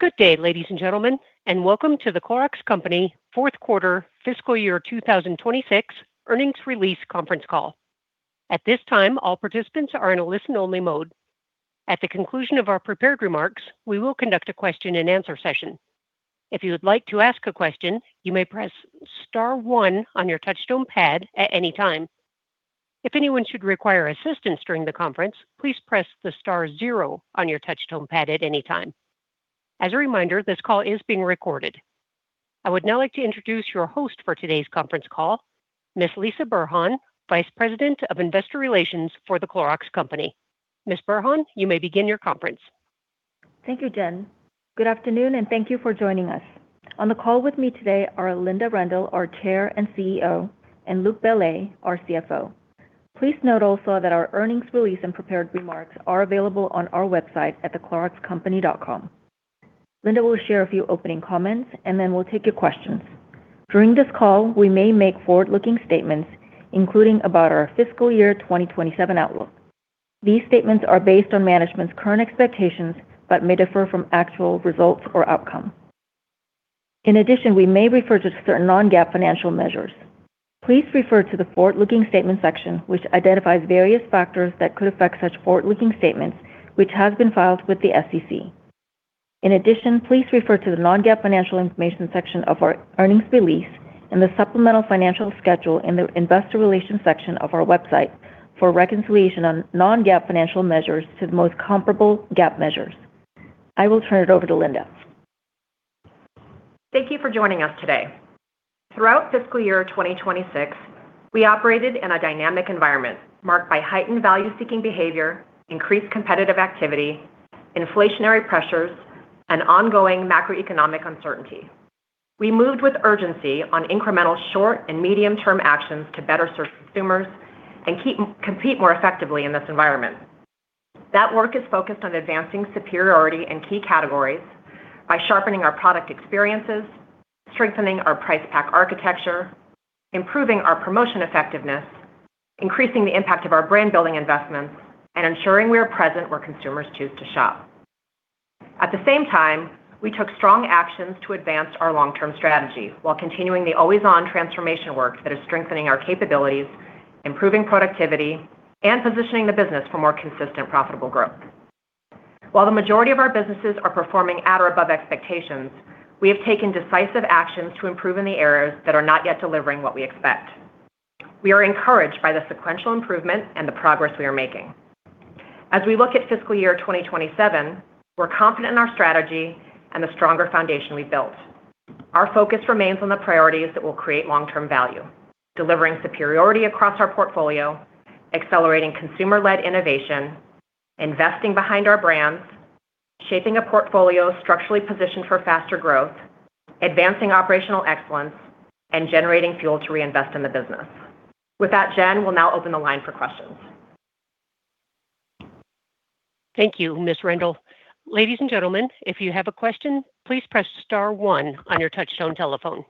Good day, ladies and gentlemen, and welcome to The Clorox Company fourth quarter fiscal year 2026 earnings release conference call. At this time, all participants are in a listen-only mode. At the conclusion of our prepared remarks, we will conduct a Q&A session. If you would like to ask a question, you may press star one on your touchtone pad at any time. If anyone should require assistance during the conference, please press the star zero on your touchtone pad at any time. As a reminder, this call is being recorded. I would now like to introduce your host for today's conference call, Ms. Lisah Burhan, Vice President of Investor Relations for The Clorox Company. Ms. Burhan, you may begin your conference. Thank you, Jen. Good afternoon, and thank you for joining us. On the call with me today are Linda Rendle, our Chair and CEO, and Luc Bellet, our CFO. Please note also that our earnings release and prepared remarks are available on our website at thecloroxcompany.com. Linda will share a few opening comments. Then we'll take your questions. During this call, we may make forward-looking statements, including about our fiscal year 2027 outlook. These statements are based on management's current expectations but may differ from actual results or outcomes. In addition, we may refer to certain non-GAAP financial measures. Please refer to the forward-looking statements section, which identifies various factors that could affect such forward-looking statements, which has been filed with the SEC. In addition, please refer to the Non-GAAP Financial Information section of our earnings release and the supplemental financial schedule in the investor relations section of our website for a reconciliation on non-GAAP financial measures to the most comparable GAAP measures. I will turn it over to Linda. Thank you for joining us today. Throughout fiscal year 2026, we operated in a dynamic environment marked by heightened value-seeking behavior, increased competitive activity, inflationary pressures, and ongoing macroeconomic uncertainty. We moved with urgency on incremental short- and medium-term actions to better serve consumers and compete more effectively in this environment. That work is focused on advancing superiority in key categories by sharpening our product experiences, strengthening our price pack architecture, improving our promotion effectiveness, increasing the impact of our brand-building investments, and ensuring we are present where consumers choose to shop. At the same time, we took strong actions to advance our long-term strategy while continuing the always-on transformation work that is strengthening our capabilities, improving productivity, and positioning the business for more consistent profitable growth. While the majority of our businesses are performing at or above expectations, we have taken decisive actions to improve in the areas that are not yet delivering what we expect. We are encouraged by the sequential improvement and the progress we are making. As we look at fiscal year 2027, we're confident in our strategy and the stronger foundation we've built. Our focus remains on the priorities that will create long-term value, delivering superiority across our portfolio, accelerating consumer-led innovation, investing behind our brands, shaping a portfolio structurally positioned for faster growth, advancing operational excellence, and generating fuel to reinvest in the business. With that, Jen, we'll now open the line for questions. Thank you, Ms. Rendle. Ladies and gentlemen, if you have a question, please press star one on your touchtone telephone.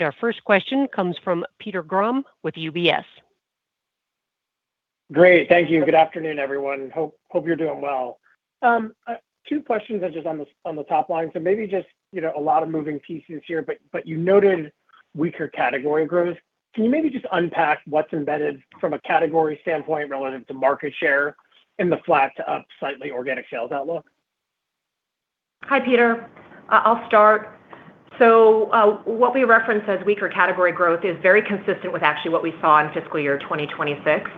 Our first question comes from Peter Grom with UBS. Great. Thank you. Good afternoon, everyone. Hope you're doing well. Two questions just on the top line. Maybe just, a lot of moving pieces here, but you noted weaker category growth. Can you maybe just unpack what's embedded from a category standpoint relative to market share in the flat to up slightly organic sales outlook? Hi, Peter. I'll start. What we referenced as weaker category growth is very consistent with actually what we saw in fiscal year 2026.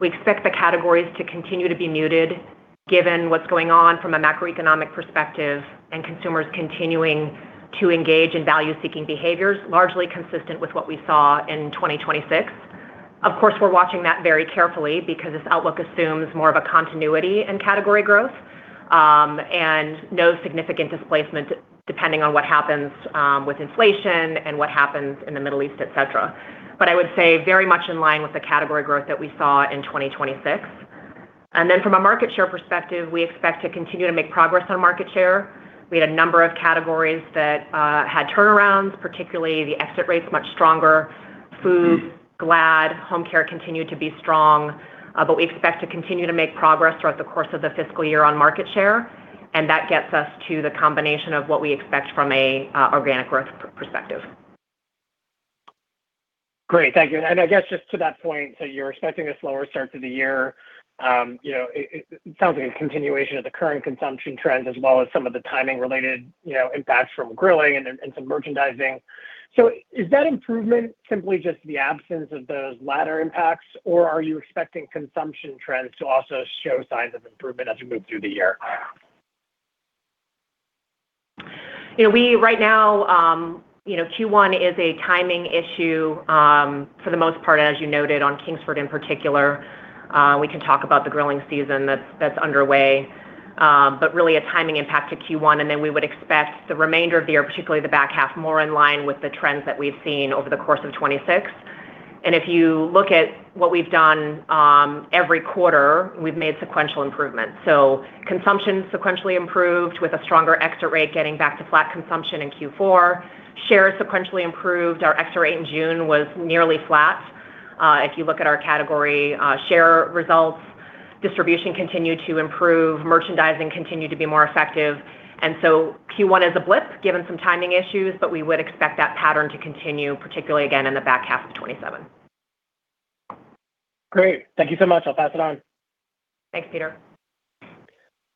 We expect the categories to continue to be muted given what's going on from a macroeconomic perspective and consumers continuing to engage in value-seeking behaviors, largely consistent with what we saw in 2026. Of course, we're watching that very carefully because this outlook assumes more of a continuity in category growth, and no significant displacement, depending on what happens with inflation and what happens in the Middle East, et cetera. I would say very much in line with the category growth that we saw in 2026. Then from a market share perspective, we expect to continue to make progress on market share. We had a number of categories that had turnarounds, particularly the exit rate's much stronger. Food, Glad, Home care continued to be strong. We expect to continue to make progress throughout the course of the fiscal year on market share, and that gets us to the combination of what we expect from an organic growth perspective. Great. Thank you. I guess just to that point, you're expecting a slower start to the year. It sounds like a continuation of the current consumption trends as well as some of the timing related impacts from grilling and some merchandising. Is that improvement simply just the absence of those latter impacts, or are you expecting consumption trends to also show signs of improvement as we move through the year? Right now, Q1 is a timing issue for the most part, as you noted, on Kingsford in particular. We can talk about the grilling season that's underway. Really a timing impact to Q1, then we would expect the remainder of the year, particularly the back half, more in line with the trends that we've seen over the course of 2026. If you look at what we've done every quarter, we've made sequential improvements. Consumption sequentially improved with a stronger exit rate, getting back to flat consumption in Q4. Share sequentially improved. Our exit rate in June was nearly flat. If you look at our category share results, distribution continued to improve, merchandising continued to be more effective. Q1 is a blip given some timing issues, but we would expect that pattern to continue, particularly again in the back half of 2027. Great. Thank you so much. I'll pass it on. Thanks, Peter.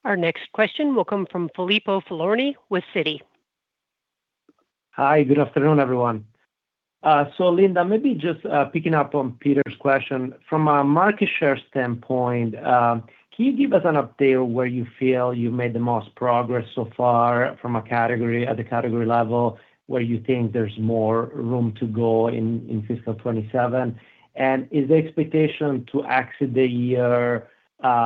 Our next question will come from Filippo Falorni with Citi. Hi, good afternoon, everyone. Linda, maybe just picking up on Peter's question. From a market share standpoint, can you give us an update where you feel you've made the most progress so far from a category, at the category level, where you think there's more room to go in fiscal 2027? Is the expectation to exit the year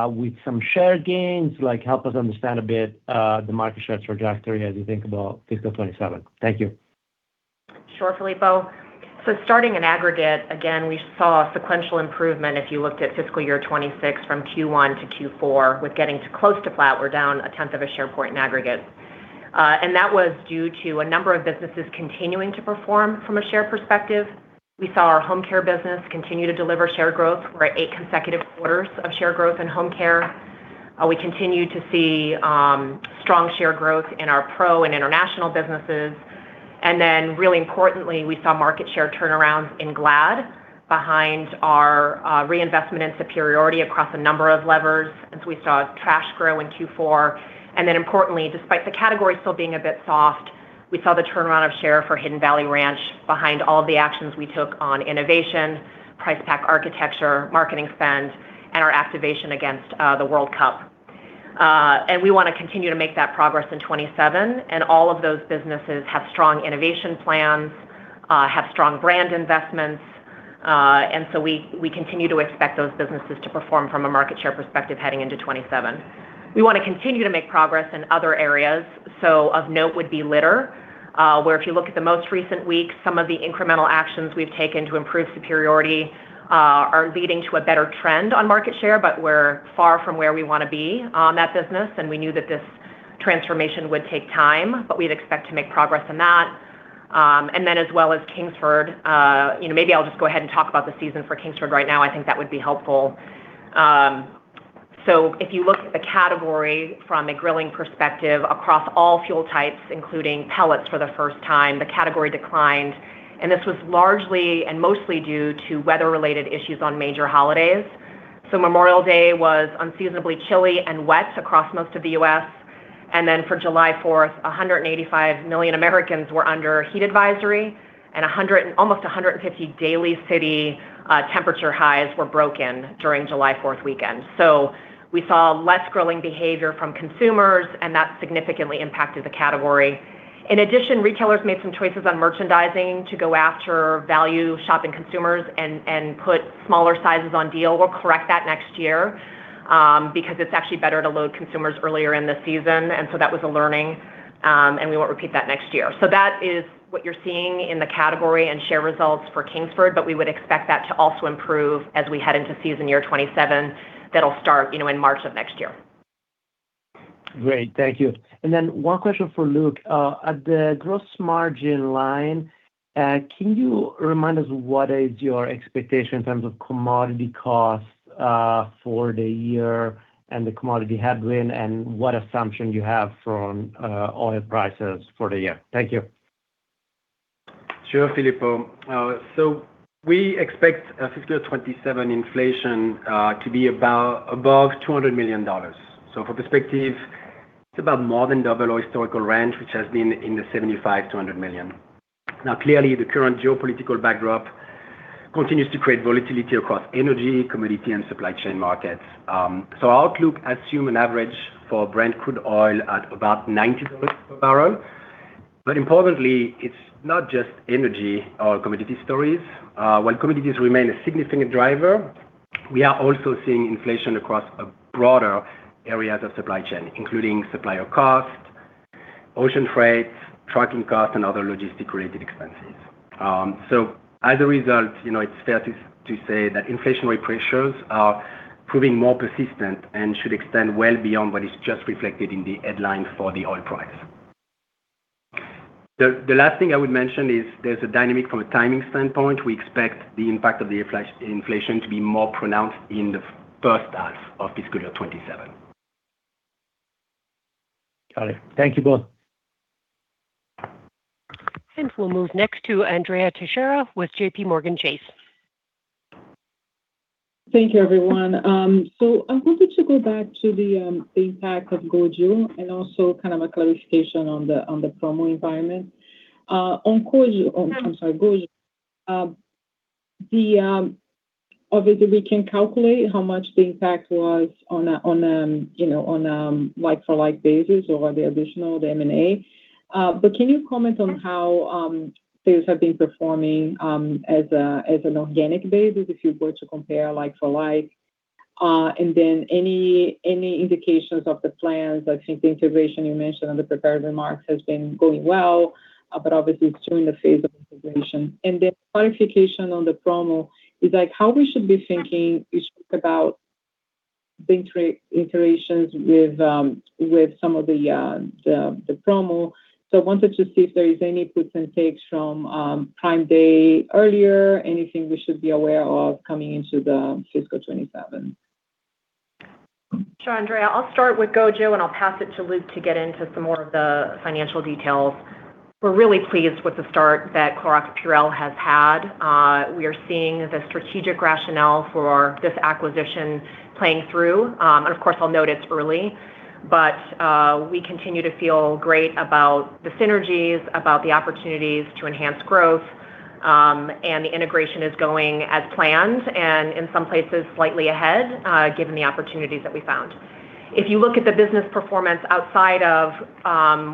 with some share gains? Help us understand a bit the market share trajectory as you think about fiscal 2027. Thank you. Sure, Filippo. Starting in aggregate, again, we saw sequential improvement if you looked at fiscal year 2026 from Q1 to Q4 with getting to close to flat. We're down a tenth of a share point in aggregate. That was due to a number of businesses continuing to perform from a share perspective. We saw our home care business continue to deliver share growth for eight consecutive quarters of share growth in home care. We continue to see strong share growth in our pro and international businesses. Then really importantly, we saw market share turnarounds in Glad behind our reinvestment in superiority across a number of levers. We saw trash grow in Q4. Importantly, despite the category still being a bit soft, we saw the turnaround of share for Hidden Valley Ranch behind all the actions we took on innovation, price pack architecture, marketing spend, and our activation against the World Cup. We want to continue to make that progress in 2027. All of those businesses have strong innovation plans, have strong brand investments. We continue to expect those businesses to perform from a market share perspective heading into 2027. We want to continue to make progress in other areas. Of note would be litter, where if you look at the most recent weeks, some of the incremental actions we've taken to improve superiority are leading to a better trend on market share, we're far from where we want to be on that business, and we knew that this transformation would take time. We'd expect to make progress on that. As well as Kingsford. Maybe I'll just go ahead and talk about the season for Kingsford right now. I think that would be helpful. If you look at the category from a grilling perspective across all fuel types, including pellets for the first time, the category declined. This was largely and mostly due to weather-related issues on major holidays. Memorial Day was unseasonably chilly and wet across most of the U.S. For July 4th, 185 million Americans were under heat advisory and almost 150 daily city temperature highs were broken during July 4th weekend. We saw less grilling behavior from consumers, and that significantly impacted the category. In addition, retailers made some choices on merchandising to go after value shopping consumers and put smaller sizes on deal. We'll correct that next year, because it's actually better to load consumers earlier in the season. That was a learning, and we won't repeat that next year. That is what you're seeing in the category and share results for Kingsford, we would expect that to also improve as we head into season year 2027. That'll start in March of next year. Great. Thank you. One question for Luc. At the gross margin line, can you remind us what is your expectation in terms of commodity costs for the year and the commodity headwind, and what assumption you have from oil prices for the year? Thank you. Sure, Filippo. We expect fiscal year 2027 inflation to be above $200 million. For perspective, it's about more than double our historical range, which has been in the $75 million-$100 million. Clearly, the current geopolitical backdrop continues to create volatility across energy, commodity, and supply chain markets. Our outlook assumes an average for Brent crude oil at about $90 per barrel. Importantly, it's not just energy or commodity stories. While commodities remain a significant driver, we are also seeing inflation across broader areas of supply chain, including supplier cost, ocean freight, trucking cost, and other logistic-related expenses. As a result, it's fair to say that inflationary pressures are proving more persistent and should extend well beyond what is just reflected in the headlines for the oil price. The last thing I would mention is there's a dynamic from a timing standpoint. We expect the impact of the inflation to be more pronounced in the first half of fiscal year 2027. Got it. Thank you both. We'll move next to Andrea Teixeira with JPMorgan Chase. Thank you everyone. I wanted to go back to the impact of GOJO and also kind of a clarification on the promo environment. On GOJO, obviously we can calculate how much the impact was on a like for like basis or the additional, the M&A. Can you comment on how things have been performing as an organic basis if you were to compare like for like? Any indications of the plans? I think the integration you mentioned on the prepared remarks has been going well, obviously it's still in the phase of integration. Clarification on the promo is like how we should be thinking, you spoke about. The integrations with some of the promo. Wanted to see if there is any puts and takes from Prime Day earlier, anything we should be aware of coming into fiscal year 2027? Sure, Andrea, I'll start with GOJO and I'll pass it to Luc to get into some more of the financial details. We're really pleased with the start that Clorox Purell has had. We are seeing the strategic rationale for this acquisition playing through. Of course, I'll note it's early, we continue to feel great about the synergies, about the opportunities to enhance growth. The integration is going as planned and in some places slightly ahead, given the opportunities that we found. If you look at the business performance outside of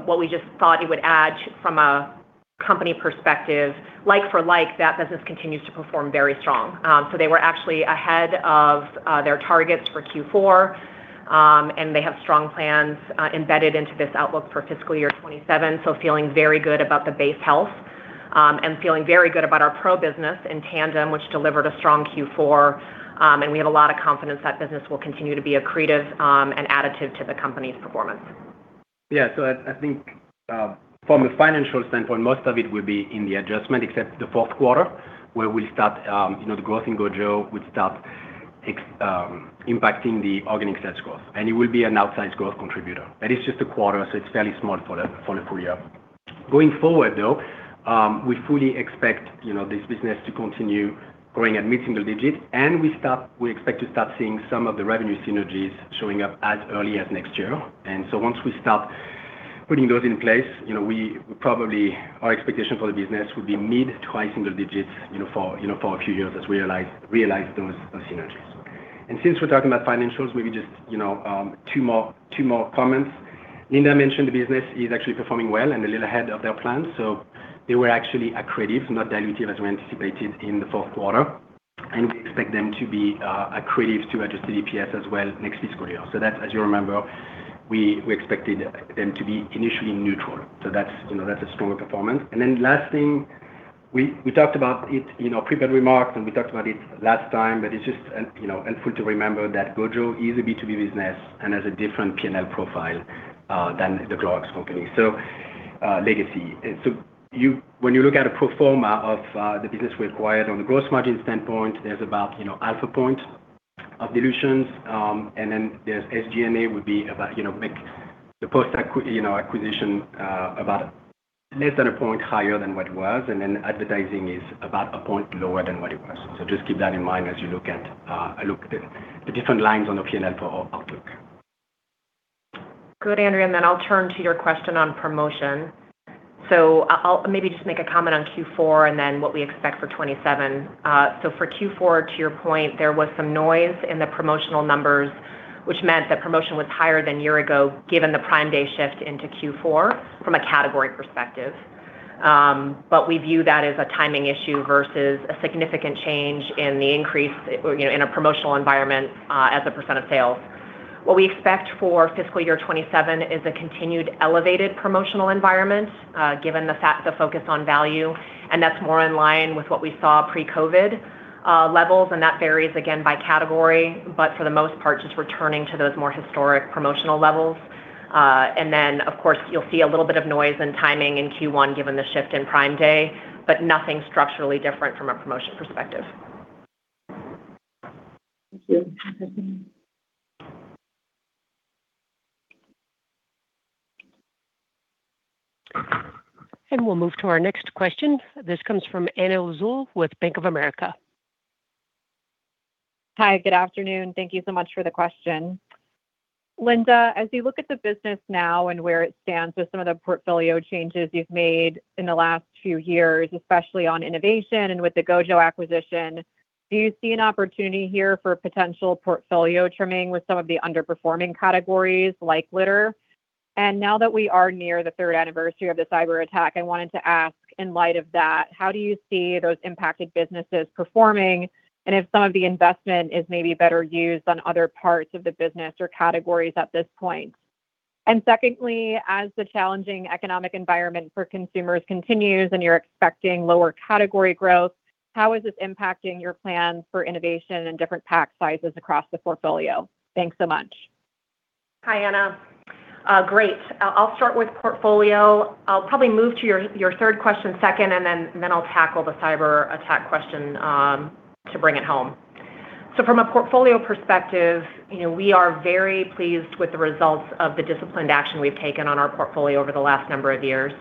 what we just thought it would add from a company perspective, like for like, that business continues to perform very strong. They were actually ahead of their targets for Q4. They have strong plans embedded into this outlook for fiscal year 2027. Feeling very good about the base health, and feeling very good about our pro business in tandem, which delivered a strong Q4. We have a lot of confidence that business will continue to be accretive, and additive to the company's performance. I think, from a financial standpoint, most of it will be in the adjustment except the fourth quarter, where the growth in GOJO would start impacting the organic sales growth, and it will be an outsized growth contributor. That is just a quarter, so it's fairly small for the full year. Going forward, though, we fully expect this business to continue growing at mid-single digits, and we expect to start seeing some of the revenue synergies showing up as early as next year. Once we start putting those in place, probably our expectation for the business will be mid to high single digits, for a few years as we realize those synergies. Since we're talking about financials, maybe just two more comments. Linda mentioned the business is actually performing well and a little ahead of their plans, they were actually accretive, not dilutive as we anticipated in the fourth quarter. We expect them to be accretive to adjusted EPS as well next fiscal year. That's, as you remember, we expected them to be initially neutral, that's a stronger performance. Last thing, we talked about it in our prepared remarks, and we talked about it last time, but it's just helpful to remember that GOJO is a B2B business and has a different P&L profile than The Clorox Company legacy. When you look at a pro forma of the business we acquired on the gross margin standpoint, there's about half a point of dilutions. Then there's SG&A would make the post-acquisition about less than a point higher than what it was. Advertising is about a point lower than what it was. Just keep that in mind as you look at the different lines on the P&L for our outlook. Good, Andrea, I'll turn to your question on promotion. I'll maybe just make a comment on Q4 and then what we expect for 2027. For Q4, to your point, there was some noise in the promotional numbers, which meant that promotion was higher than year ago, given the Prime Day shift into Q4 from a category perspective. We view that as a timing issue versus a significant change in a promotional environment, as a percent of sales. What we expect for fiscal year 2027 is a continued elevated promotional environment, given the focus on value, that's more in line with what we saw pre-COVID levels, that varies again by category. For the most part, just returning to those more historic promotional levels. Of course, you'll see a little bit of noise and timing in Q1 given the shift in Prime Day, but nothing structurally different from a promotion perspective. Thank you. We'll move to our next question. This comes from Anna Lizzul with Bank of America. Hi, good afternoon. Thank you so much for the question. Linda, as you look at the business now and where it stands with some of the portfolio changes you've made in the last few years, especially on innovation and with the GOJO acquisition, do you see an opportunity here for potential portfolio trimming with some of the underperforming categories like litter? Now that we are near the third anniversary of the cyber attack, I wanted to ask, in light of that, how do you see those impacted businesses performing, and if some of the investment is maybe better used on other parts of the business or categories at this point? Secondly, as the challenging economic environment for consumers continues and you're expecting lower category growth, how is this impacting your plans for innovation and different pack sizes across the portfolio? Thanks so much. Hi, Anna. Great. I'll start with portfolio. I'll probably move to your third question second, then I'll tackle the cyber attack question to bring it home. From a portfolio perspective, we are very pleased with the results of the disciplined action we've taken on our portfolio over the last number of years.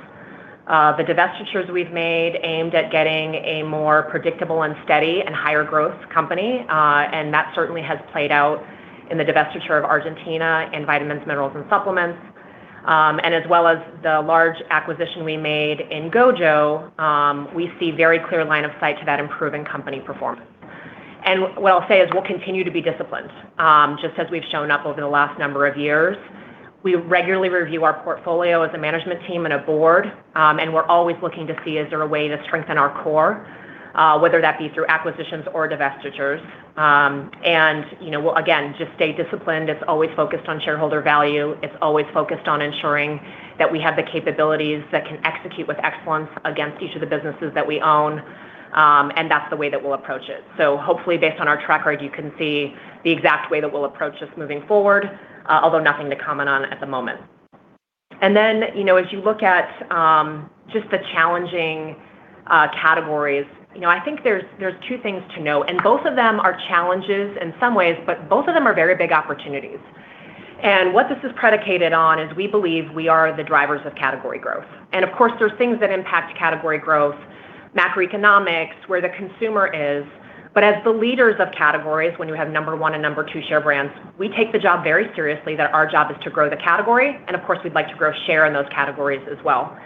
The divestitures we've made aimed at getting a more predictable and steady and higher growth company. That certainly has played out in the divestiture of Argentina and vitamins, minerals, and supplements. As well as the large acquisition we made in GOJO, we see very clear line of sight to that improving company performance. What I'll say is we'll continue to be disciplined, just as we've shown up over the last number of years. We regularly review our portfolio as a management team and a board. We're always looking to see is there a way to strengthen our core, whether that be through acquisitions or divestitures. We'll, again, just stay disciplined. It's always focused on shareholder value. It's always focused on ensuring that we have the capabilities that can execute with excellence against each of the businesses that we own. That's the way that we'll approach it. Hopefully, based on our track record, you can see the exact way that we'll approach this moving forward, although nothing to comment on at the moment. As you look at just the challenging categories, I think there's two things to note. Both of them are challenges in some ways, but both of them are very big opportunities. What this is predicated on is we believe we are the drivers of category growth. Of course, there's things that impact category growth, macroeconomics, where the consumer is. As the leaders of categories, when you have number one and number two share brands, we take the job very seriously that our job is to grow the category. Of course, we'd like to grow share in those categories as well.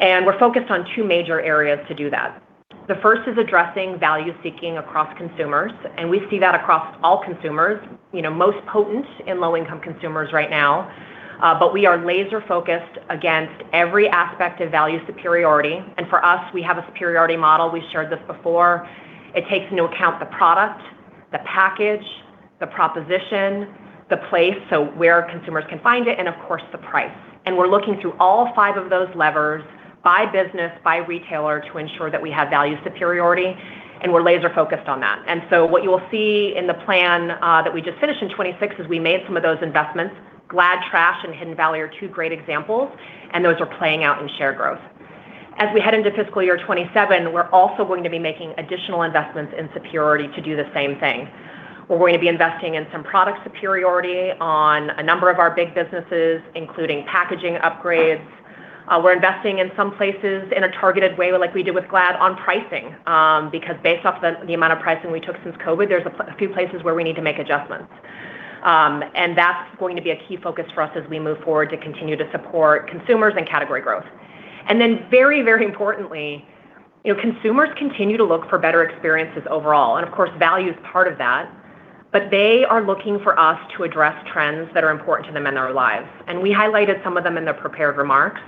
We're focused on two major areas to do that. The first is addressing value-seeking across consumers. We see that across all consumers. Most potent in low-income consumers right now. We are laser-focused against every aspect of value superiority. For us, we have a superiority model. We shared this before. It takes into account the product, the package, the proposition, the place, so where consumers can find it. Of course, the price. We're looking through all five of those levers by business, by retailer to ensure that we have value superiority. We're laser-focused on that. What you will see in the plan that we just finished in 2026 is we made some of those investments. Glad Trash and Hidden Valley are two great examples. Those are playing out in share growth. As we head into fiscal year 2027, we're also going to be making additional investments in superiority to do the same thing, where we're going to be investing in some product superiority on a number of our big businesses, including packaging upgrades. We're investing in some places in a targeted way, like we did with Glad on pricing, because based off the amount of pricing we took since COVID, there's a few places where we need to make adjustments. That's going to be a key focus for us as we move forward to continue to support consumers and category growth. Very importantly, consumers continue to look for better experiences overall, and of course, value is part of that. They are looking for us to address trends that are important to them in their lives. We highlighted some of them in the prepared remarks,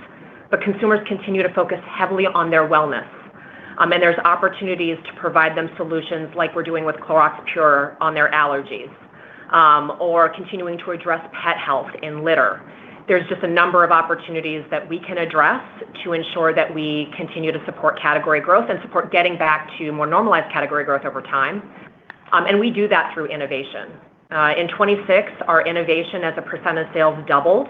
consumers continue to focus heavily on their wellness. There's opportunities to provide them solutions like we're doing with Clorox Pure on their allergies. Continuing to address pet health in litter. There's just a number of opportunities that we can address to ensure that we continue to support category growth and support getting back to more normalized category growth over time. We do that through innovation. In 2026, our innovation as a percent of sales doubled,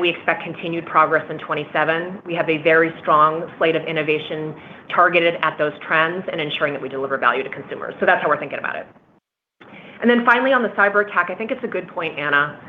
we expect continued progress in 2027. We have a very strong slate of innovation targeted at those trends and ensuring that we deliver value to consumers. That's how we're thinking about it. Finally, on the cyber attack, I think it's a good point, Anna.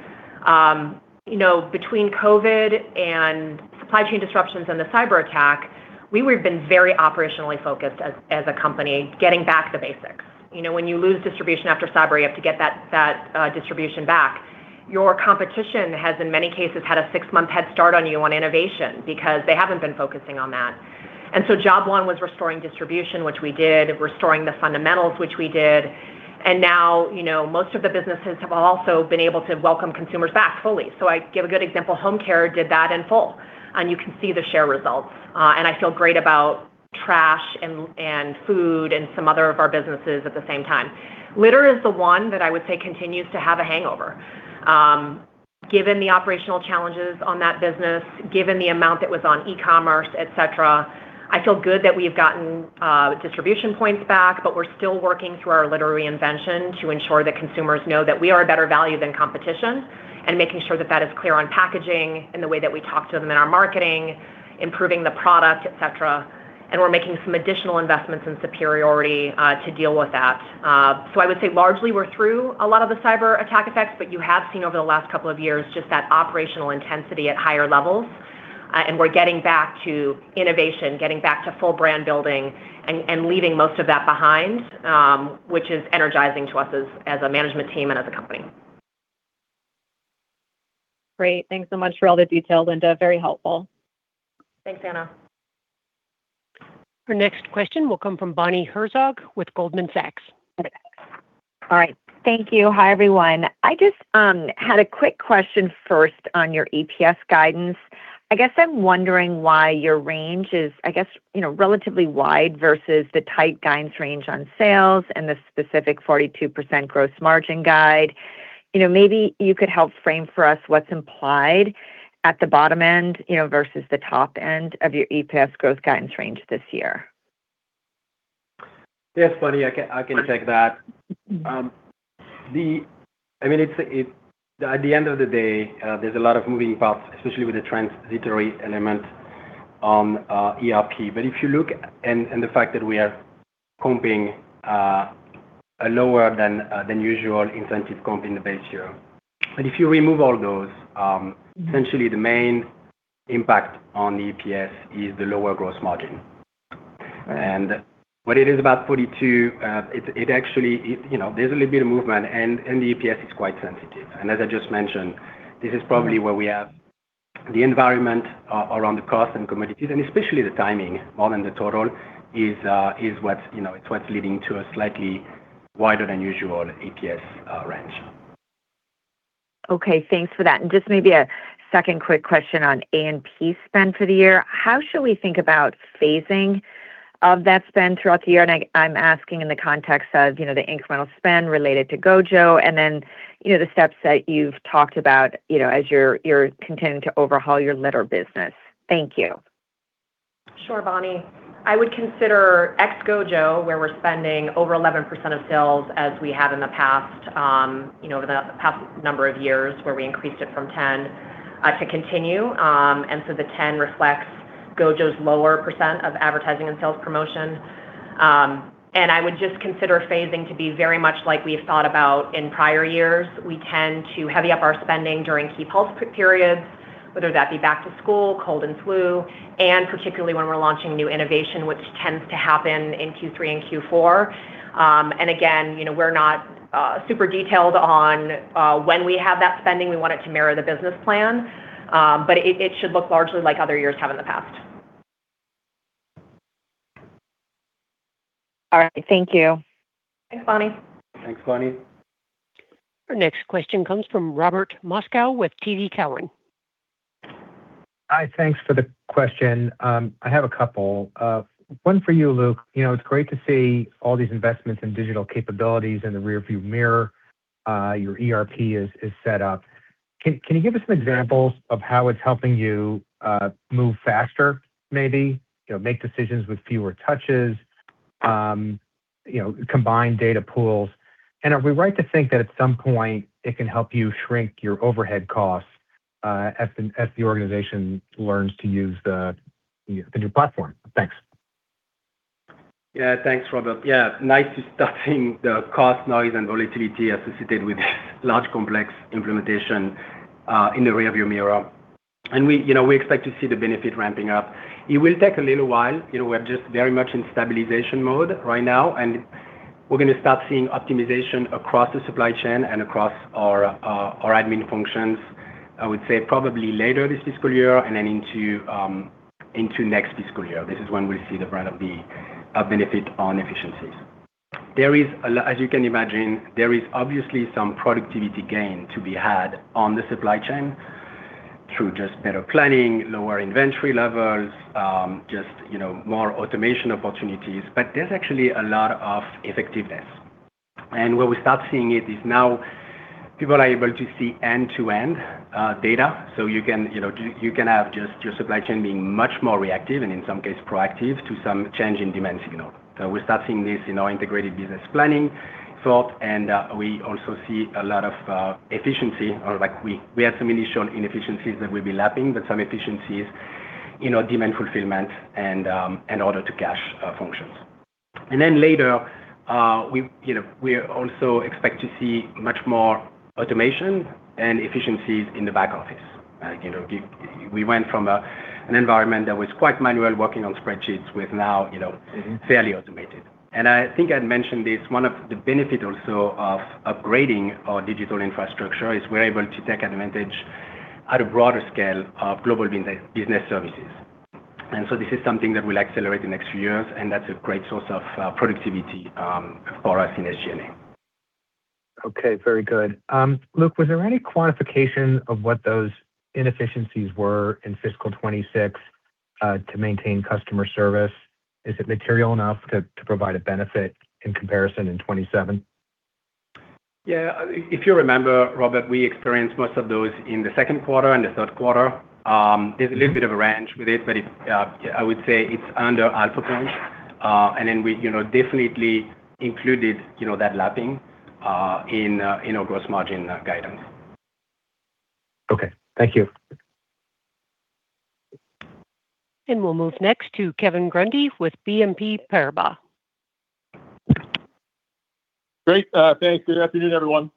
Between COVID and supply chain disruptions and the cyber attack, we have been very operationally focused as a company, getting back to basics. When you lose distribution after cyber, you have to get that distribution back. Your competition has, in many cases, had a six-month head start on you on innovation because they haven't been focusing on that. Job one was restoring distribution, which we did, restoring the fundamentals, which we did. Now, most of the businesses have also been able to welcome consumers back fully. I give a good example, Home Care did that in full, you can see the share results. I feel great about trash and food and some other of our businesses at the same time. Litter is the one that I would say continues to have a hangover. Given the operational challenges on that business, given the amount that was on e-commerce, et cetera, I feel good that we've gotten distribution points back, but we're still working through our litter reinvention to ensure that consumers know that we are a better value than competition and making sure that that is clear on packaging in the way that we talk to them in our marketing, improving the product, et cetera. We're making some additional investments in superiority to deal with that. I would say largely we're through a lot of the cyber attack effects, you have seen over the last couple of years just that operational intensity at higher levels. We're getting back to innovation, getting back to full brand building and leaving most of that behind, which is energizing to us as a management team and as a company. Great. Thanks so much for all the details, Linda. Very helpful. Thanks, Anna. Our next question will come from Bonnie Herzog with Goldman Sachs. Okay. All right. Thank you. Hi, everyone. I just had a quick question first on your EPS guidance. I guess I'm wondering why your range is, I guess, relatively wide versus the tight guidance range on sales and the specific 42% gross margin guide. Maybe you could help frame for us what's implied at the bottom end versus the top end of your EPS growth guidance range this year. Yes, Bonnie, I can take that. At the end of the day, there's a lot of moving parts, especially with the transitory element on ERP. The fact that we are comping a lower than usual incentive comp in the base year. If you remove all those, essentially the main impact on EPS is the lower gross margin. When it is about 42%, there's a little bit of movement, and the EPS is quite sensitive. As I just mentioned, this is probably where we have the environment around the cost and commodities, and especially the timing more than the total, it's what's leading to a slightly wider than usual EPS range. Okay. Thanks for that. Just maybe a second quick question on A&P spend for the year. How should we think about phasing of that spend throughout the year? I'm asking in the context of the incremental spend related to GOJO and the steps that you've talked about as you're continuing to overhaul your litter business. Thank you. Sure, Bonnie. I would consider ex GOJO, where we're spending over 11% of sales as we have in the past number of years, where we increased it from 10%, to continue. So the 10% reflects GOJO's lower percent of advertising and sales promotion. I would just consider phasing to be very much like we have thought about in prior years. We tend to heavy up our spending during key pulse periods, whether that be back to school, cold and flu, and particularly when we're launching new innovation, which tends to happen in Q3 and Q4. Again, we're not super detailed on when we have that spending. We want it to mirror the business plan. It should look largely like other years have in the past. All right. Thank you. Thanks, Bonnie. Thanks, Bonnie. Our next question comes from Robert Moskow with TD Cowen. Hi. Thanks for the question. I have a couple. One for you, Luc. It's great to see all these investments in digital capabilities in the rear view mirror. Your ERP is set up. Can you give us some examples of how it's helping you move faster, maybe, make decisions with fewer touches, combine data pools? Are we right to think that at some point it can help you shrink your overhead costs, as the organization learns to use the new platform? Thanks. Thanks, Robert. Nice to starting the cost noise and volatility associated with large complex implementation in the rear view mirror. We expect to see the benefit ramping up. It will take a little while. We're just very much in stabilization mode right now, we're going to start seeing optimization across the supply chain and across our admin functions, I would say probably later this fiscal year and then into next fiscal year. This is when we'll see the benefit on efficiencies. As you can imagine, there is obviously some productivity gain to be had on the supply chain through just better planning, lower inventory levels, just more automation opportunities. There's actually a lot of effectiveness. Where we start seeing it is now people are able to see end-to-end data. You can have just your supply chain being much more reactive, in some cases proactive to some change in demand signal. We start seeing this in our integrated business planning thought, we also see a lot of efficiency, or we had some initial inefficiencies that we'll be lapping, but some efficiencies in our demand fulfillment and order to cash functions. Later, we also expect to see much more automation and efficiencies in the back office. We went from an environment that was quite manual, working on spreadsheets, with now fairly automated. I think I'd mentioned this, one of the benefit also of upgrading our digital infrastructure is we're able to take advantage at a broader scale of global business services. This is something that will accelerate in the next few years, and that's a great source of productivity for us in SG&A. Very good. Luc, was there any quantification of what those inefficiencies were in fiscal 2026 to maintain customer service? Is it material enough to provide a benefit in comparison in 2027? If you remember, Robert, we experienced most of those in the second quarter and the third quarter. There's a little bit of a range with it, but I would say it's under alpha. We definitely included that lapping in our gross margin guidance. Okay. Thank you. We'll move next to Kevin Grundy with BNP Paribas. Great. Thanks. Good afternoon, everyone.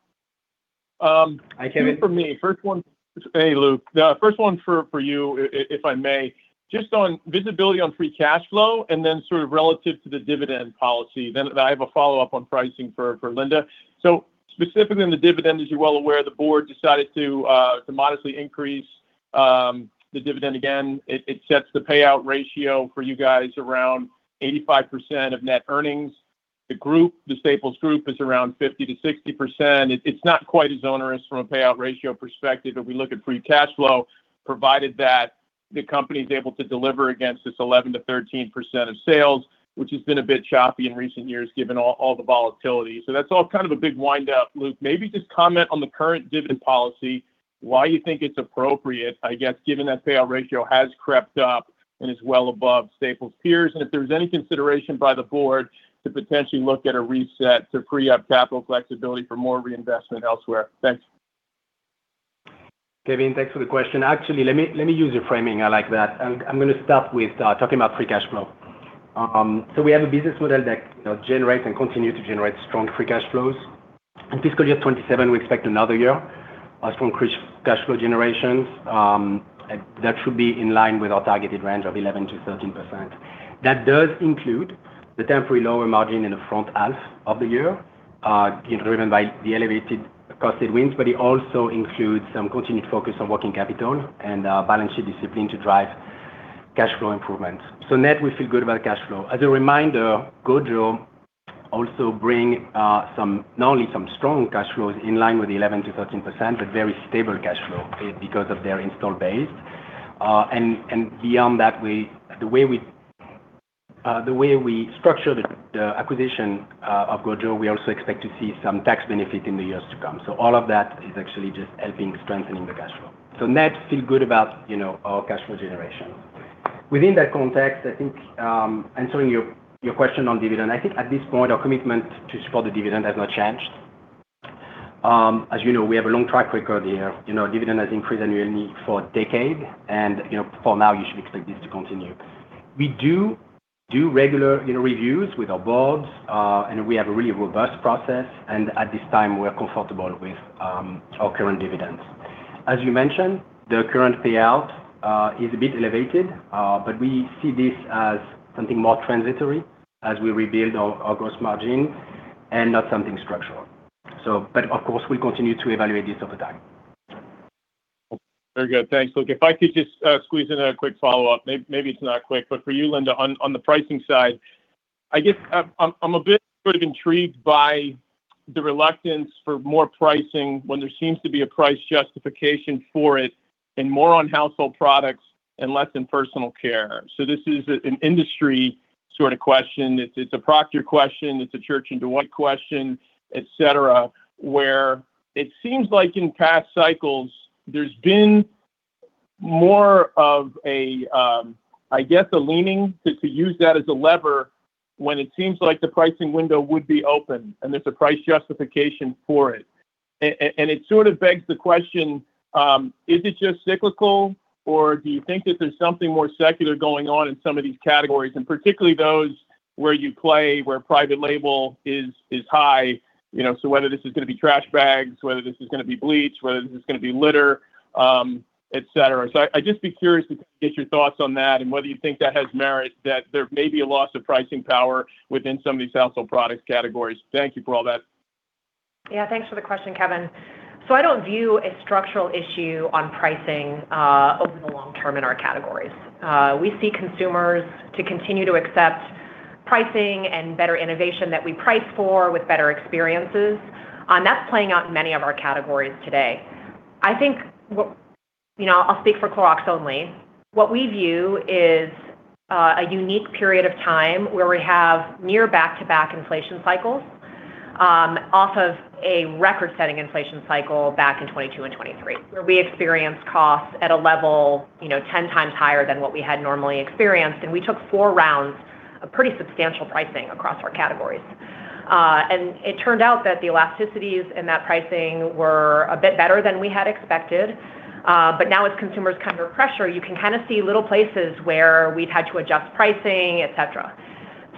Hi, Kevin. Two for me. First one. Hey, Luc. The first one for you, if I may, just on visibility on free cash flow and then sort of relative to the dividend policy. I have a follow-up on pricing for Linda. Specifically on the dividend, as you're well aware, the board decided to modestly increase the dividend again. It sets the payout ratio for you guys around 85% of net earnings. The Consumer Staples group is around 50%-60%. It's not quite as onerous from a payout ratio perspective if we look at free cash flow, provided that the company's able to deliver against this 11%-13% of sales, which has been a bit choppy in recent years given all the volatility. That's all kind of a big wind up, Luc. Maybe just comment on the current dividend policy, why you think it's appropriate, I guess, given that payout ratio has crept up and is well above Consumer Staples' peers, and if there's any consideration by the board to potentially look at a reset to free up capital flexibility for more reinvestment elsewhere. Thanks. Kevin, thanks for the question. Actually, let me use your framing. I like that. I'm going to start with talking about free cash flow. We have a business model that generates and continues to generate strong free cash flows. In fiscal year 2027, we expect another year of strong cash flow generations. That should be in line with our targeted range of 11%-13%. That does include the temporary lower margin in the front half of the year, driven by the elevated costed wins, but it also includes some continued focus on working capital and balance sheet discipline to drive cash flow improvements. Net, we feel good about cash flow. As a reminder, GOJO also bring not only some strong cash flows in line with 11%-13%, but very stable cash flow because of their install base. Beyond that, the way we structure the acquisition of GOJO, we also expect to see some tax benefit in the years to come. All of that is actually just helping strengthening the cash flow. Net feel good about our cash flow generation. Within that context, answering your question on dividend, at this point, our commitment to support the dividend has not changed. As you know, we have a long track record here. Dividend has increased annually for a decade, and for now you should expect this to continue. We do regular reviews with our boards. We have a really robust process, and at this time, we're comfortable with our current dividends. As you mentioned, the current payout is a bit elevated, but we see this as something more transitory as we rebuild our gross margin and not something structural. We continue to evaluate this over time. Very good. Thanks, Luc. If I could just squeeze in a quick follow-up. Maybe it's not quick, but for you, Linda, on the pricing side, I guess I'm a bit sort of intrigued by the reluctance for more pricing when there seems to be a price justification for it and more on household products and less in personal care. This is an industry sort of question. It's a Procter question, it's a Church & Dwight question, et cetera, where it seems like in past cycles there's been more of, I guess, a leaning to use that as a lever when it seems like the pricing window would be open and there's a price justification for it. It sort of begs the question, is it just cyclical or do you think that there's something more secular going on in some of these categories? Particularly those where you play where private label is high, whether this is going to be trash bags, whether this is going to be bleach, whether this is going to be litter, et cetera. I'd just be curious to get your thoughts on that and whether you think that has merit, that there may be a loss of pricing power within some of these household product categories. Thank you for all that. Yeah. Thanks for the question, Kevin. I don't view a structural issue on pricing over the long term in our categories. We see consumers to continue to accept pricing and better innovation that we price for with better experiences, and that's playing out in many of our categories today. I think, I'll speak for Clorox only. What we view is a unique period of time where we have near back-to-back inflation cycles off of a record-setting inflation cycle back in 2022 and 2023, where we experienced costs at a level 10 times higher than what we had normally experienced. We took four rounds of pretty substantial pricing across our categories. It turned out that the elasticities in that pricing were a bit better than we had expected. Now as consumers come under pressure, you can kind of see little places where we've had to adjust pricing, et cetera.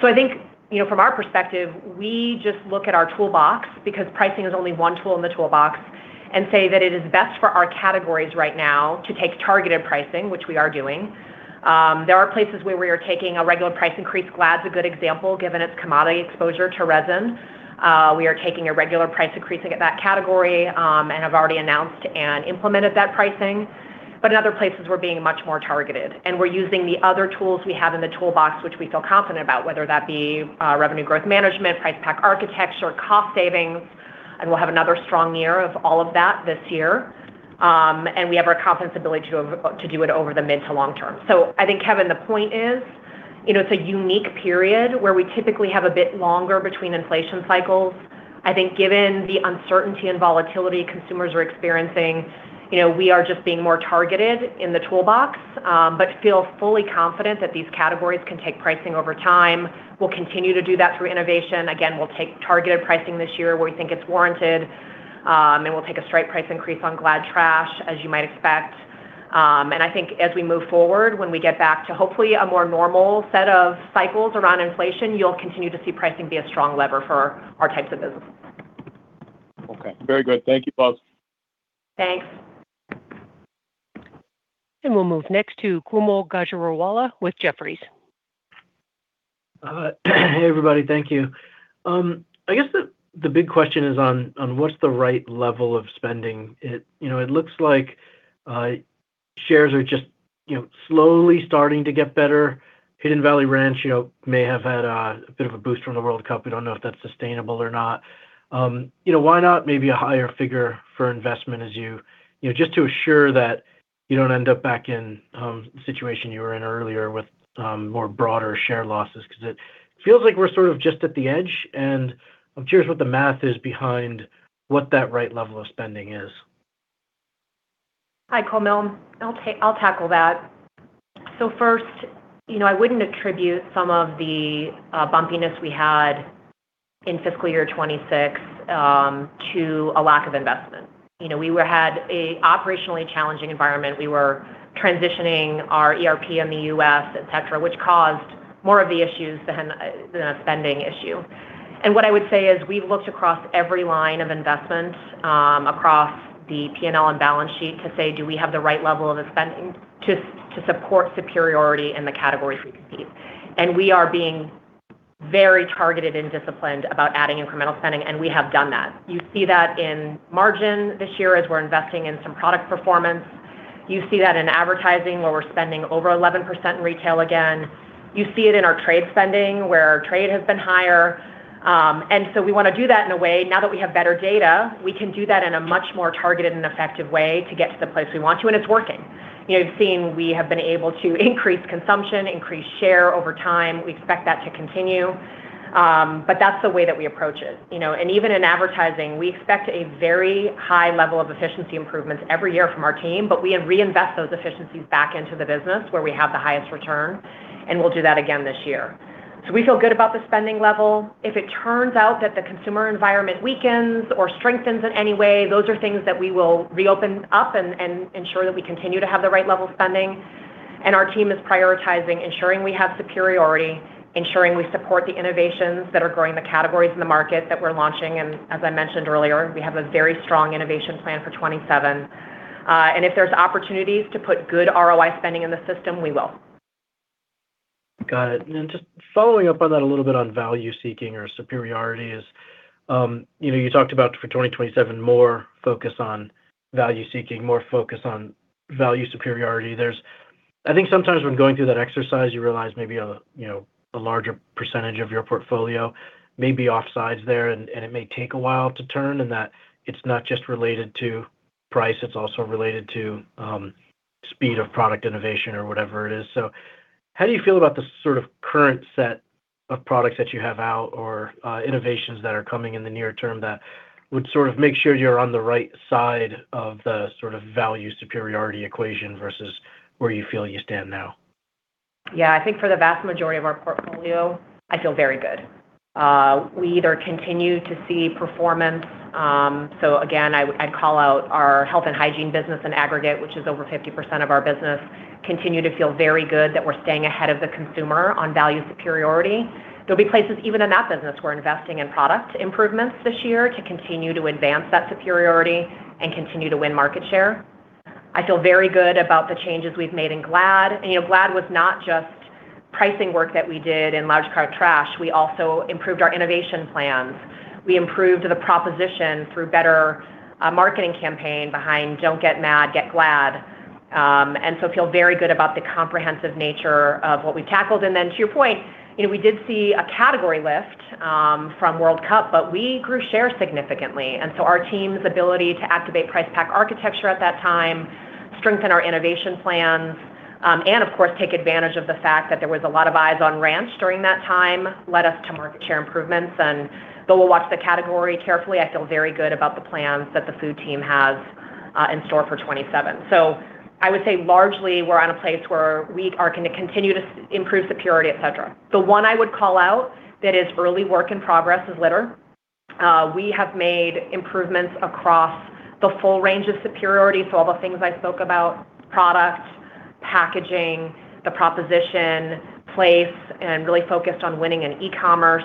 I think, from our perspective, we just look at our toolbox, because pricing is only one tool in the toolbox, and say that it is best for our categories right now to take targeted pricing, which we are doing. There are places where we are taking a regular price increase. Glad's a good example, given its commodity exposure to resin. We are taking a regular price increase at that category, and have already announced and implemented that pricing. In other places, we're being much more targeted, and we're using the other tools we have in the toolbox, which we feel confident about, whether that be revenue growth management, price pack architecture, cost savings, and we'll have another strong year of all of that this year. We have a confidence ability to do it over the mid to long term. I think, Kevin, the point is, it's a unique period where we typically have a bit longer between inflation cycles. I think given the uncertainty and volatility consumers are experiencing, we are just being more targeted in the toolbox, but feel fully confident that these categories can take pricing over time. We'll continue to do that through innovation. Again, we'll take targeted pricing this year where we think it's warranted, and we'll take a straight price increase on Glad trash, as you might expect. I think as we move forward, when we get back to hopefully a more normal set of cycles around inflation, you'll continue to see pricing be a strong lever for our types of business. Okay. Very good. Thank you both. Thanks. We'll move next to Kaumil Gajrawala with Jefferies. Hey, everybody. Thank you. I guess the big question is on what's the right level of spending? It looks like shares are just slowly starting to get better. Hidden Valley Ranch may have had a bit of a boost from the World Cup. We don't know if that's sustainable or not. Why not maybe a higher figure for investment as you, just to assure that you don't end up back in situation you were in earlier with more broader share losses? It feels like we're sort of just at the edge, and I'm curious what the math is behind what that right level of spending is. Hi, Kaumil. I'll tackle that. First, I wouldn't attribute some of the bumpiness we had in fiscal year 2026 to a lack of investment. We had an operationally challenging environment. We were transitioning our ERP in the U.S., et cetera, which caused more of the issues than a spending issue. What I would say is, we've looked across every line of investment, across the P&L and balance sheet to say, do we have the right level of spending to support superiority in the categories we compete? We are being very targeted and disciplined about adding incremental spending, and we have done that. You see that in margin this year as we're investing in some product performance. You see that in advertising where we're spending over 11% in retail again. You see it in our trade spending where our trade has been higher. We want to do that in a way, now that we have better data, we can do that in a much more targeted and effective way to get to the place we want to, and it's working. You've seen we have been able to increase consumption, increase share over time. We expect that to continue. That's the way that we approach it. Even in advertising, we expect a very high level of efficiency improvements every year from our team, but we reinvest those efficiencies back into the business where we have the highest return, and we'll do that again this year. We feel good about the spending level. If it turns out that the consumer environment weakens or strengthens in any way, those are things that we will reopen up and ensure that we continue to have the right level of spending. Our team is prioritizing ensuring we have superiority, ensuring we support the innovations that are growing the categories in the market that we're launching, and as I mentioned earlier, we have a very strong innovation plan for 2027. If there's opportunities to put good ROI spending in the system, we will. Got it. Just following up on that a little bit on value-seeking or superiority is, you talked about for 2027, more focus on value-seeking, more focus on value superiority. I think sometimes when going through that exercise, you realize maybe a larger percentage of your portfolio may be offsides there and it may take a while to turn in that it's not just related to price, it's also related to speed of product innovation or whatever it is. How do you feel about the current set of products that you have out or innovations that are coming in the near term that would sort of make sure you're on the right side of the value superiority equation versus where you feel you stand now? Yeah, I think for the vast majority of our portfolio, I feel very good. We either continue to see performance, again, I'd call out our health and hygiene business in aggregate, which is over 50% of our business, continue to feel very good that we're staying ahead of the consumer on value superiority. There'll be places even in that business we're investing in product improvements this year to continue to advance that superiority and continue to win market share. I feel very good about the changes we've made in Glad. Glad was not just pricing work that we did in Glad trash. We also improved our innovation plans. We improved the proposition through better marketing campaign behind Don't Get Mad. Get Glad. Feel very good about the comprehensive nature of what we tackled. To your point, we did see a category lift from World Cup, but we grew share significantly. Our team's ability to activate price pack architecture at that time, strengthen our innovation plans, and of course, take advantage of the fact that there was a lot of eyes on ranch during that time, led us to market share improvements. Though we'll watch the category carefully, I feel very good about the plans that the food team has in store for 2027. I would say largely, we're in a place where we are going to continue to improve superiority, et cetera. The one I would call out that is early work in progress is Litter. We have made improvements across the full range of superiority, all the things I spoke about, product, packaging, the proposition, place, and really focused on winning in e-commerce.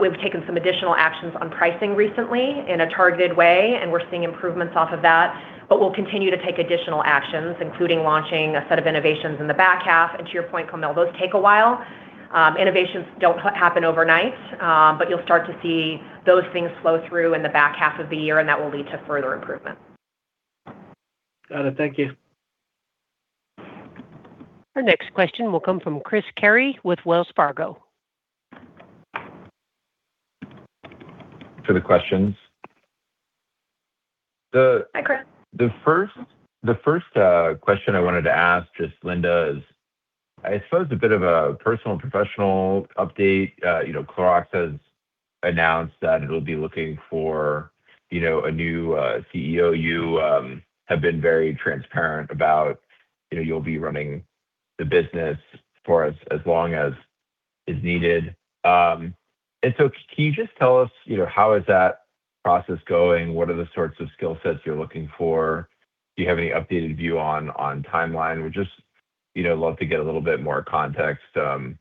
We've taken some additional actions on pricing recently in a targeted way, and we're seeing improvements off of that. We'll continue to take additional actions, including launching a set of innovations in the back half. To your point, Kaumil, those take a while. Innovations don't happen overnight, but you'll start to see those things flow through in the back half of the year, and that will lead to further improvement. Got it. Thank you. Our next question will come from Chris Carey with Wells Fargo. For the questions. Hi, Chris. The first question I wanted to ask just Linda, is I suppose a bit of a personal and professional update. Clorox has announced that it'll be looking for a new CEO. You have been very transparent about you'll be running the business for as long as is needed. Can you just tell us how is that process going? What are the sorts of skill sets you're looking for? Do you have any updated view on timeline? Would just love to get a little bit more context for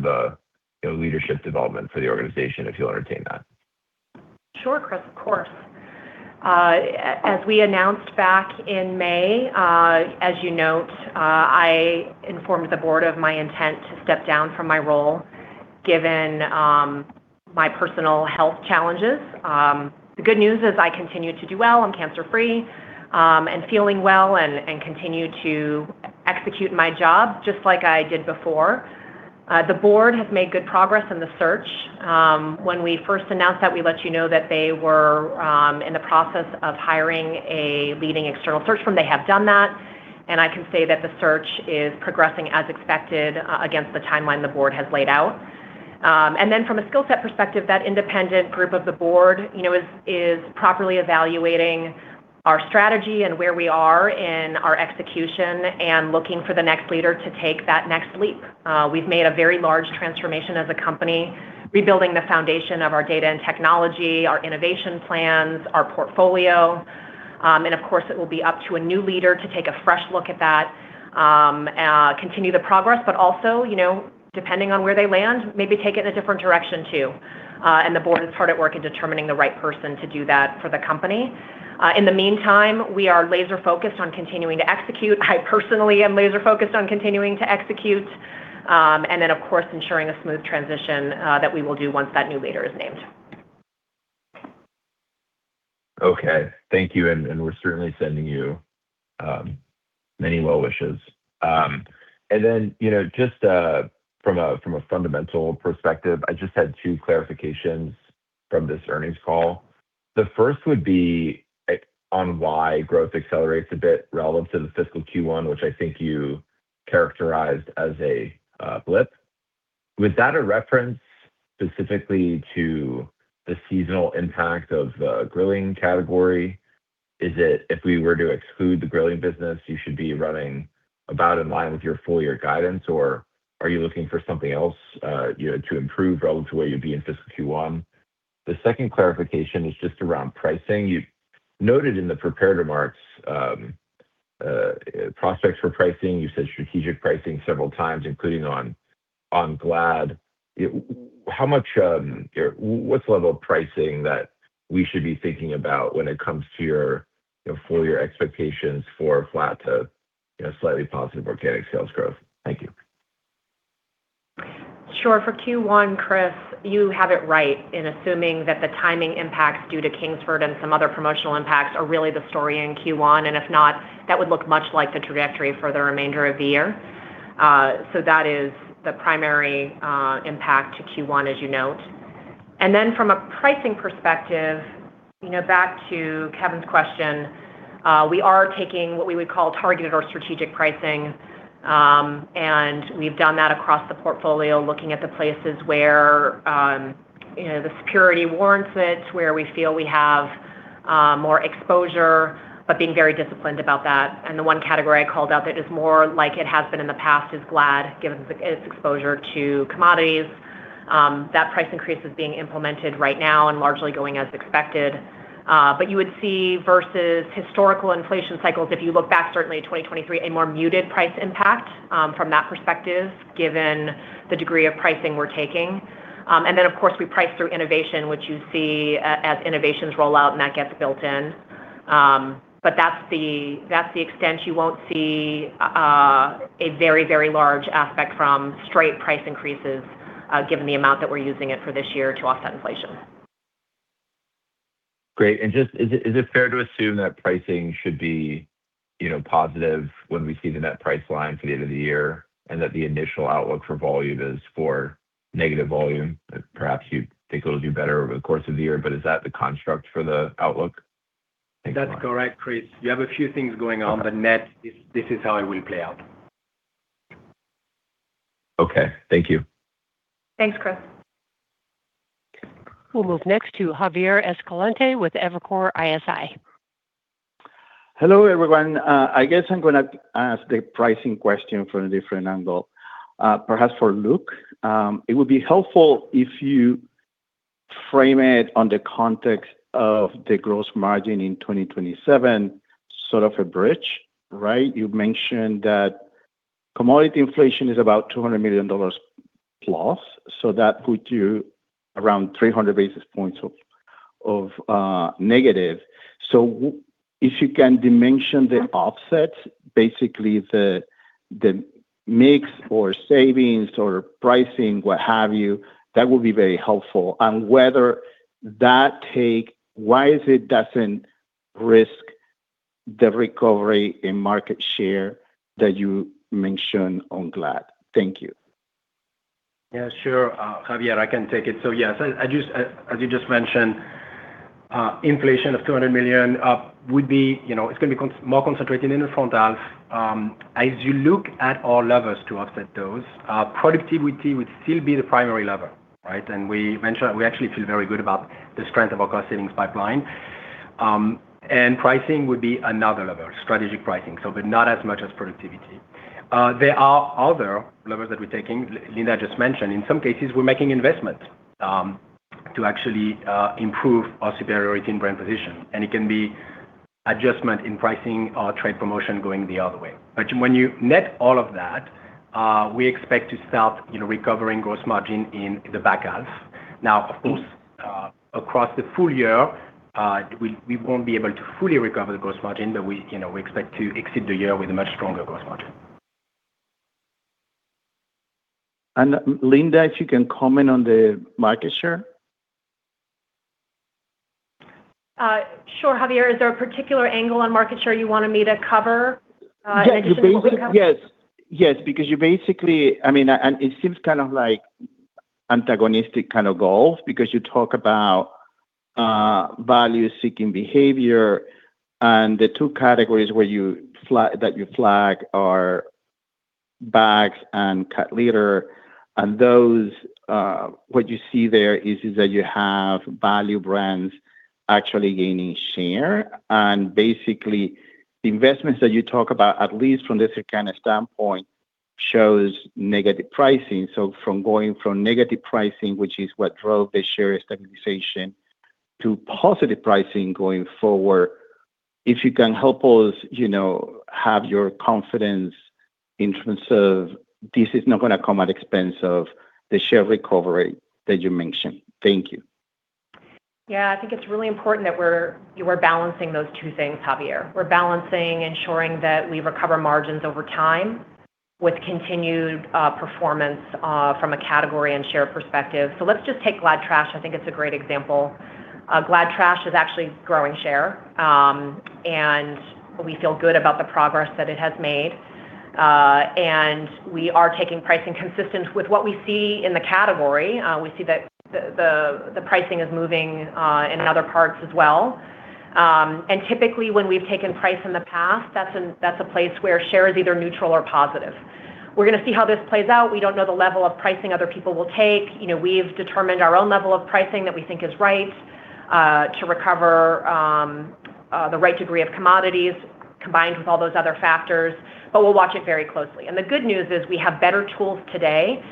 the leadership development for the organization, if you'll entertain that. Sure, Chris, of course. As we announced back in May, as you note, I informed the board of my intent to step down from my role given my personal health challenges. The good news is I continue to do well. I'm cancer-free, and feeling well, and continue to execute my job just like I did before. The board has made good progress in the search. When we first announced that, we let you know that they were in the process of hiring a leading external search firm. They have done that, and I can say that the search is progressing as expected against the timeline the board has laid out. From a skill set perspective, that independent group of the board is properly evaluating our strategy and where we are in our execution and looking for the next leader to take that next leap. We've made a very large transformation as a company, rebuilding the foundation of our data and technology, our innovation plans, our portfolio. Of course, it will be up to a new leader to take a fresh look at that, continue the progress, but also, depending on where they land, maybe take it in a different direction, too. The board is hard at work in determining the right person to do that for the company. In the meantime, we are laser-focused on continuing to execute. I personally am laser-focused on continuing to execute. Of course, ensuring a smooth transition that we will do once that new leader is named. Okay. Thank you, and we're certainly sending you many well wishes. Just from a fundamental perspective, I just had two clarifications from this earnings call. The first would be on why growth accelerates a bit relative to the fiscal Q1, which I think you characterized as a blip. Was that a reference specifically to the seasonal impact of the grilling category? Is it if we were to exclude the grilling business, you should be running about in line with your full-year guidance, or are you looking for something else to improve relative to where you'd be in fiscal Q1? The second clarification is just around pricing. You noted in the prepared remarks, prospects for pricing. You said strategic pricing several times, including on Glad. What level of pricing that we should be thinking about when it comes to your full-year expectations for flat to slightly positive organic sales growth? Thank you. Sure. For Q1, Chris, you have it right in assuming that the timing impacts due to Kingsford and some other promotional impacts are really the story in Q1. If not, that would look much like the trajectory for the remainder of the year. That is the primary impact to Q1 as you note. From a pricing perspective, back to Kevin's question, we are taking what we would call targeted or strategic pricing, and we've done that across the portfolio, looking at the places where the security warrants it, where we feel we have more exposure, but being very disciplined about that. The one category I called out that is more like it has been in the past is Glad, given its exposure to commodities. That price increase is being implemented right now and largely going as expected. You would see versus historical inflation cycles, if you look back certainly at 2023, a more muted price impact from that perspective, given the degree of pricing we're taking. Of course, we price through innovation, which you see as innovations roll out, and that gets built in. That's the extent. You won't see a very large aspect from straight price increases given the amount that we're using it for this year to offset inflation. Great. Just, is it fair to assume that pricing should be positive when we see the net price line for the end of the year, and that the initial outlook for volume is for negative volume? Perhaps you think it'll do better over the course of the year, but is that the construct for the outlook? Thanks. That's correct, Chris. You have a few things going on, but net, this is how it will play out. Okay. Thank you. Thanks, Chris. We'll move next to Javier Escalante with Evercore ISI. Hello, everyone. I guess I'm going to ask the pricing question from a different angle. Perhaps for Luc, it would be helpful if you frame it on the context of the gross margin in 2027, sort of a bridge, right? You mentioned that commodity inflation is about $200 million+. That put you around 300 basis points of negative. If you can dimension the offsets, basically the mix or savings or pricing, what have you, that would be very helpful. Whether that take, why is it doesn't risk the recovery in market share that you mentioned on Glad? Thank you. Yeah, sure. Javier, I can take it. Yes, as you just mentioned, inflation of $200 million, it's going to be more concentrated in the front half. As you look at all levers to offset those, productivity would still be the primary lever, right? We mentioned that we actually feel very good about the strength of our cost savings pipeline. Pricing would be another lever, strategic pricing, but not as much as productivity. There are other levers that we're taking. Linda just mentioned, in some cases, we're making investments to actually improve our superiority and brand position, and it can be adjustment in pricing or trade promotion going the other way. When you net all of that, we expect to start recovering gross margin in the back half. Now, of course, across the full year, we won't be able to fully recover the gross margin, but we expect to exit the year with a much stronger gross margin. Linda, if you can comment on the market share. Sure. Javier, is there a particular angle on market share you wanted me to cover in addition to what we covered? Yes. Because you basically, it seems like antagonistic kind of goals because you talk about value-seeking behavior, the two categories that you flag are bags and cat litter. Those, what you see there is that you have value brands actually gaining share, basically, the investments that you talk about, at least from this kind of standpoint, shows negative pricing. From going from negative pricing, which is what drove the share stabilization to positive pricing going forward, if you can help us have your confidence in terms of this is not going to come at the expense of the share recovery that you mentioned. Thank you. Yeah. I think it's really important that we're balancing those two things, Javier. We're balancing ensuring that we recover margins over time with continued performance from a category and share perspective. Let's just take Glad trash, I think it's a great example. Glad trash is actually growing share. We feel good about the progress that it has made. We are taking pricing consistent with what we see in the category. We see that the pricing is moving in other parts as well. Typically, when we've taken price in the past, that's a place where share is either neutral or positive. We're going to see how this plays out. We don't know the level of pricing other people will take. We've determined our own level of pricing that we think is right to recover the right degree of commodities, combined with all those other factors. We'll watch it very closely. The good news is we have better tools today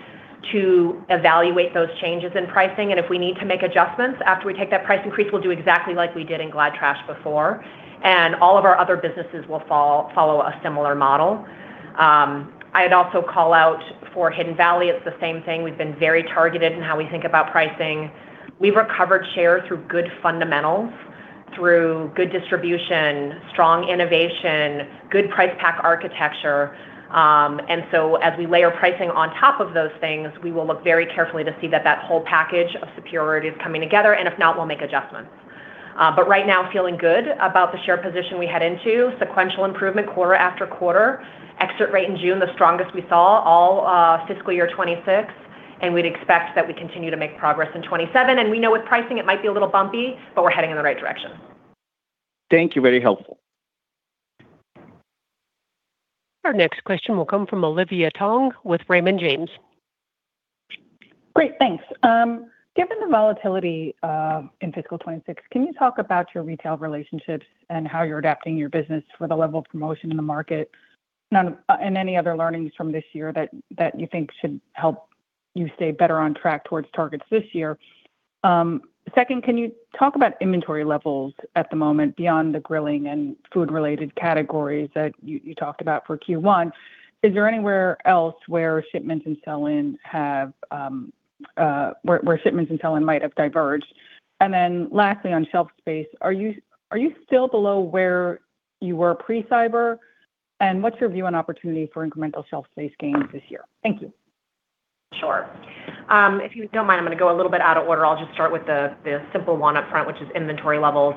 to evaluate those changes in pricing. If we need to make adjustments after we take that price increase, we'll do exactly like we did in Glad trash before. All of our other businesses will follow a similar model. I'd also call out for Hidden Valley, it's the same thing. We've been very targeted in how we think about pricing. We've recovered share through good fundamentals, through good distribution, strong innovation, good price pack architecture. As we layer pricing on top of those things, we will look very carefully to see that that whole package of superiority is coming together. If not, we'll make adjustments. Right now, feeling good about the share position we head into. Sequential improvement quarter after quarter. Exert rate in June, the strongest we saw all fiscal year 2026, we'd expect that we'd continue to make progress in 2027. We know with pricing, it might be a little bumpy, but we're heading in the right direction. Thank you. Very helpful. Our next question will come from Olivia Tong with Raymond James. Great, thanks. Given the volatility in fiscal 2026, can you talk about your retail relationships and how you're adapting your business for the level of promotion in the market, any other learnings from this year that you think should help you stay better on track towards targets this year? Second, can you talk about inventory levels at the moment beyond the grilling and food-related categories that you talked about for Q1? Is there anywhere else where shipments and sell in might have diverged? Lastly, on shelf space, are you still below where you were pre-cyber? What's your view on opportunity for incremental shelf space gains this year? Thank you. Sure. If you don't mind, I'm going to go a little bit out of order. I'll just start with the simple one up front, which is inventory levels.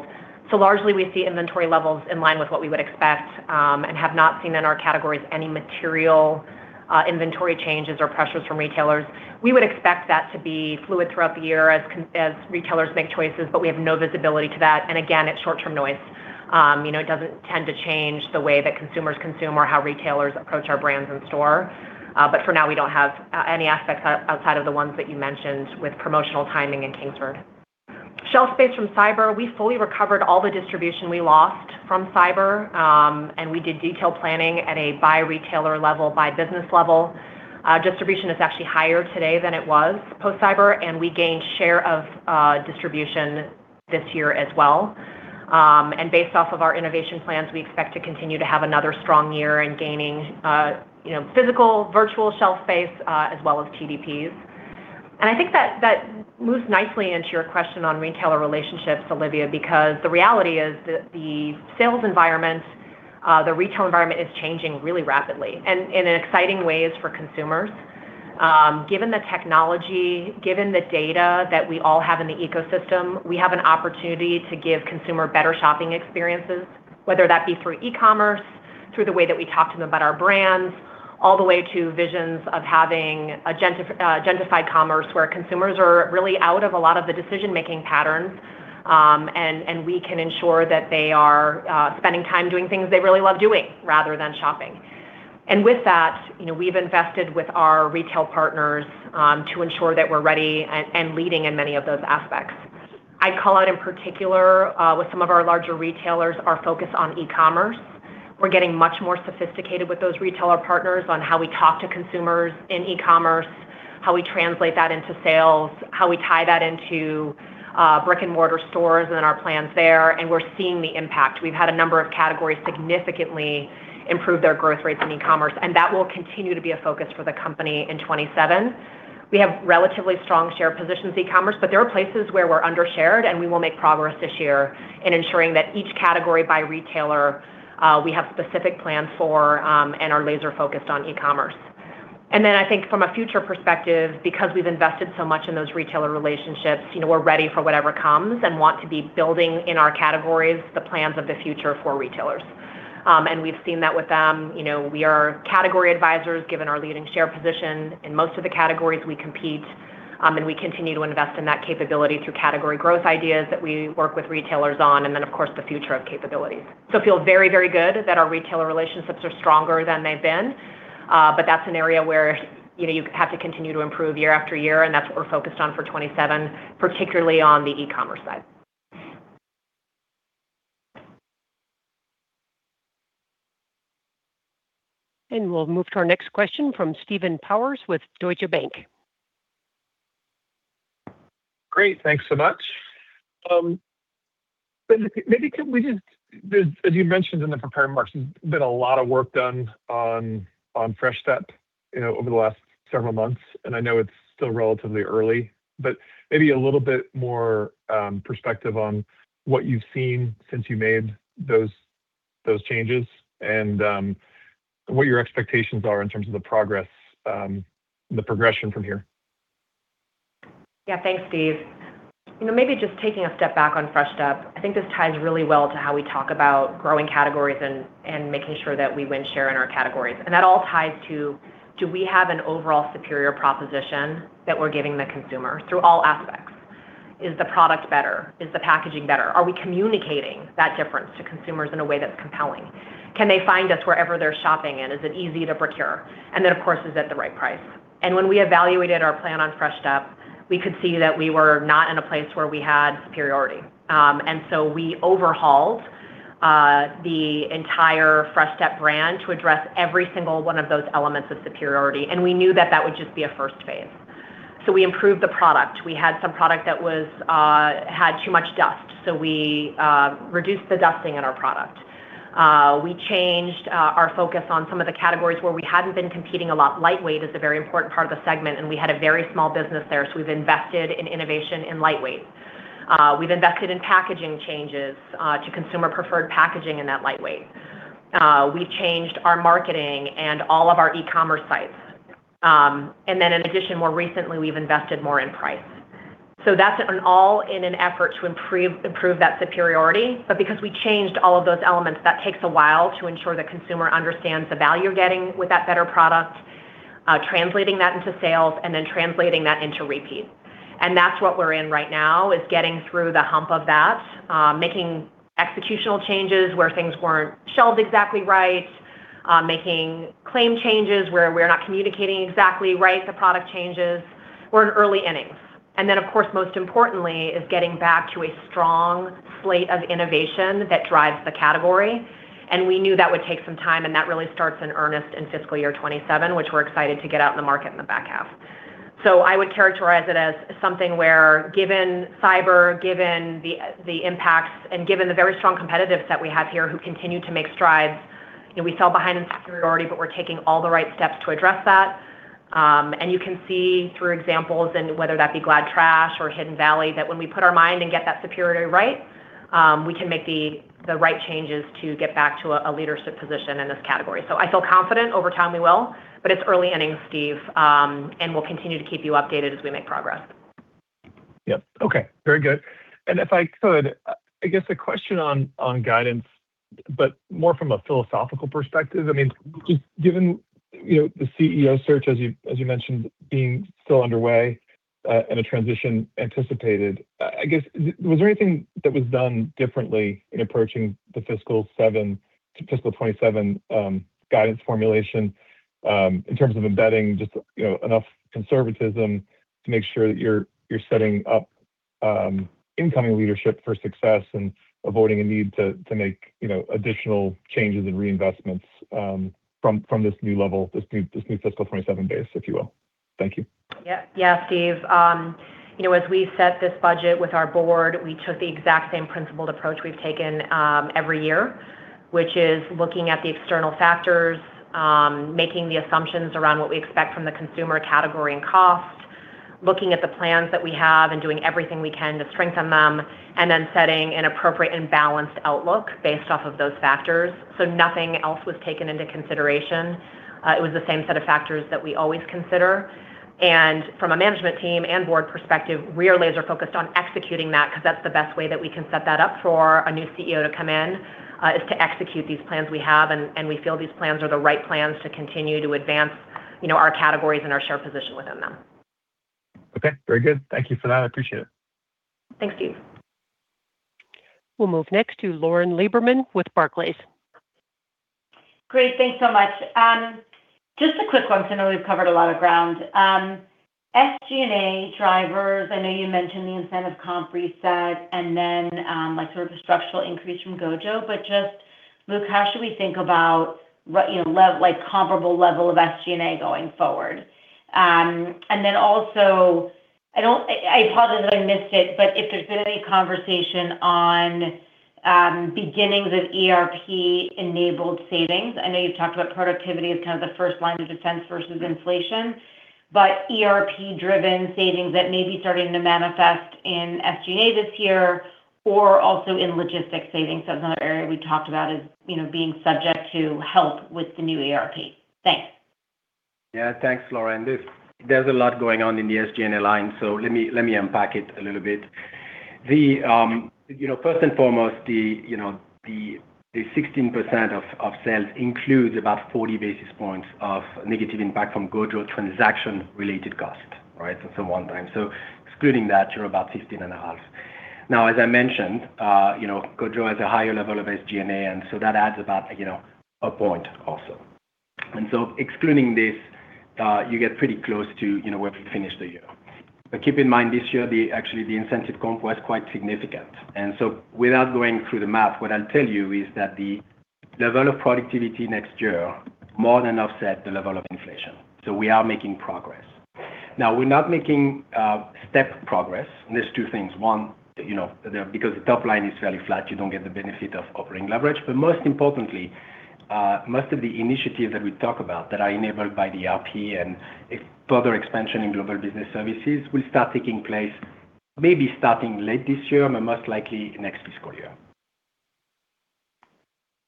Largely, we see inventory levels in line with what we would expect, and have not seen in our categories any material inventory changes or pressures from retailers. We would expect that to be fluid throughout the year as retailers make choices, but we have no visibility to that. Again, it's short-term noise. It doesn't tend to change the way that consumers consume or how retailers approach our brands in store. For now, we don't have any aspects outside of the ones that you mentioned with promotional timing in Kingsford. Shelf space from Cyber, we fully recovered all the distribution we lost from Cyber. We did detailed planning at a by retailer level, by business level. Distribution is actually higher today than it was post-Cyber, we gained share of distribution this year as well. Based off of our innovation plans, we expect to continue to have another strong year in gaining physical, virtual shelf space, as well as TDPs. I think that moves nicely into your question on retailer relationships, Olivia, because the reality is that the sales environment, the retail environment is changing really rapidly and in exciting ways for consumers. Given the technology, given the data that we all have in the ecosystem, we have an opportunity to give consumer better shopping experiences, whether that be through e-commerce, through the way that we talk to them about our brands, all the way to visions of having agentified commerce where consumers are really out of a lot of the decision-making patterns, we can ensure that they are spending time doing things they really love doing rather than shopping. With that, we've invested with our retail partners to ensure that we're ready and leading in many of those aspects. I'd call out in particular, with some of our larger retailers, our focus on e-commerce. We're getting much more sophisticated with those retailer partners on how we talk to consumers in e-commerce, how we translate that into sales, how we tie that into brick-and-mortar stores and our plans there, we're seeing the impact. We've had a number of categories significantly improve their growth rates in e-commerce, that will continue to be a focus for the company in 2027. We have relatively strong share positions e-commerce, but there are places where we're under-shared, we will make progress this year in ensuring that each category by retailer, we have specific plans for and are laser-focused on e-commerce. Then I think from a future perspective, because we've invested so much in those retailer relationships, we're ready for whatever comes and want to be building in our categories the plans of the future for retailers. We've seen that with them. We are category advisors, given our leading share position in most of the categories we compete, we continue to invest in that capability through category growth ideas that we work with retailers on, then, of course, the future of capabilities. It feels very, very good that our retailer relationships are stronger than they've been. That's an area where you have to continue to improve year-after-year, and that's what we're focused on for 2027, particularly on the e-commerce side. We'll move to our next question from Stephen Powers with Deutsche Bank. Great, thanks so much. As you mentioned in the prepared remarks, there's been a lot of work done on Fresh Step over the last several months, I know it's still relatively early, maybe a little bit more perspective on what you've seen since you made those changes and what your expectations are in terms of the progression from here. Yeah. Thanks, Steve. Maybe just taking a step back on Fresh Step, I think this ties really well to how we talk about growing categories and making sure that we win share in our categories. That all ties to do we have an overall superior proposition that we're giving the consumer through all aspects? Is the product better? Is the packaging better? Are we communicating that difference to consumers in a way that's compelling? Can they find us wherever they're shopping, is it easy to procure? Then, of course, is it the right price? When we evaluated our plan on Fresh Step, we could see that we were not in a place where we had superiority. So we overhauled the entire Fresh Step brand to address every single one of those elements of superiority, we knew that that would just be a first phase. We improved the product. We had some product that had too much dust, we reduced the dusting in our product. We changed our focus on some of the categories where we hadn't been competing a lot. Lightweight is a very important part of the segment, we had a very small business there, we've invested in innovation in lightweight. We've invested in packaging changes to consumer preferred packaging in that lightweight. We've changed our marketing and all of our e-commerce sites. In addition, more recently, we've invested more in price. That's all in an effort to improve that superiority. Because we changed all of those elements, that takes a while to ensure the consumer understands the value you're getting with that better product, translating that into sales translating that into repeat. That's what we're in right now, is getting through the hump of that, making executional changes where things weren't shelved exactly right, making claim changes where we're not communicating exactly right, the product changes. We're in early innings. Of course, most importantly is getting back to a strong slate of innovation that drives the category. We knew that would take some time, that really starts in earnest in fiscal year 2027, which we're excited to get out in the market in the back half. I would characterize it as something where, given cyber, given the impacts, given the very strong competitive set we have here who continue to make strides, we fell behind in superiority, we're taking all the right steps to address that. You can see through examples, whether that be Glad trash or Hidden Valley, that when we put our mind and get that superiority right, we can make the right changes to get back to a leadership position in this category. I feel confident over time we will, it's early innings, Steve, we'll continue to keep you updated as we make progress. Yep. Okay. Very good. If I could, I guess a question on guidance, more from a philosophical perspective. Just given the CEO search, as you mentioned, being still underway, a transition anticipated, I guess, was there anything that was done differently in approaching the fiscal 2027 guidance formulation in terms of embedding just enough conservatism to make sure that you're setting up incoming leadership for success avoiding a need to make additional changes and reinvestments from this new level, this new fiscal 2027 base, if you will? Thank you. Yeah. Steve, as we set this budget with our board, we took the exact same principled approach we've taken every year, which is looking at the external factors, making the assumptions around what we expect from the consumer category and costs, looking at the plans that we have and doing everything we can to strengthen them, then setting an appropriate and balanced outlook based off of those factors. Nothing else was taken into consideration. It was the same set of factors that we always consider. From a management team and board perspective, we are laser-focused on executing that, because that's the best way that we can set that up for a new CEO to come in, is to execute these plans we have, and we feel these plans are the right plans to continue to advance our categories and our share position within them. Okay. Very good. Thank you for that. I appreciate it. Thanks, Steve. We'll move next to Lauren Lieberman with Barclays. Great. Thanks so much. Just a quick one, because I know we've covered a lot of ground. SG&A drivers, I know you mentioned the incentive comp reset and then sort of the structural increase from GOJO, just, Luc, how should we think about comparable level of SG&A going forward? Also, I apologize if I missed it, if there's been any conversation on beginnings of ERP-enabled savings. I know you've talked about productivity as kind of the first line of defense versus inflation, ERP-driven savings that may be starting to manifest in SG&A this year or also in logistics savings. That was another area we talked about as being subject to help with the new ERP. Thanks. Thanks, Lauren. There's a lot going on in the SG&A line, let me unpack it a little bit. First and foremost, the 16% of sales includes about 40 basis points of negative impact from GOJO transaction-related costs. Right? It's a one-time. Excluding that, you're about 15.5%. As I mentioned, GOJO has a higher level of SG&A, that adds about a point also. Excluding this, you get pretty close to where we finished the year. Keep in mind, this year, actually the incentive comp was quite significant. Without going through the math, what I'll tell you is that the level of productivity next year more than offset the level of inflation. We are making progress. We're not making step progress. There's two things. One, because the top line is fairly flat, you don't get the benefit of operating leverage. Most importantly, most of the initiatives that we talk about that are enabled by the ERP and further expansion in global business services will start taking place maybe starting late this year, most likely next fiscal year.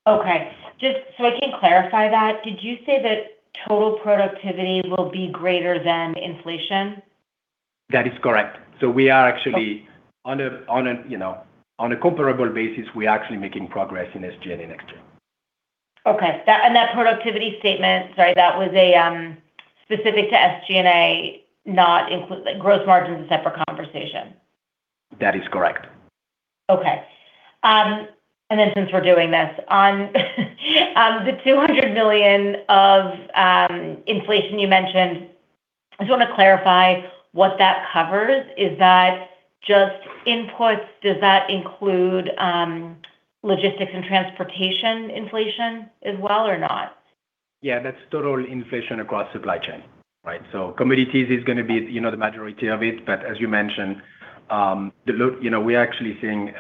Okay. Just so I can clarify that, did you say that total productivity will be greater than inflation? That is correct. We are actually, on a comparable basis, we are actually making progress in SG&A next year. Okay. That productivity statement, sorry, that was specific to SG&A. Gross margin is a separate conversation. That is correct. Okay. Since we're doing this, on the $200 million of inflation you mentioned, I just want to clarify what that covers. Is that just inputs? Does that include logistics and transportation inflation as well or not? Yeah, that's total inflation across supply chain. Right? Commodities are going to be the majority of it. As you mentioned, we are actually seeing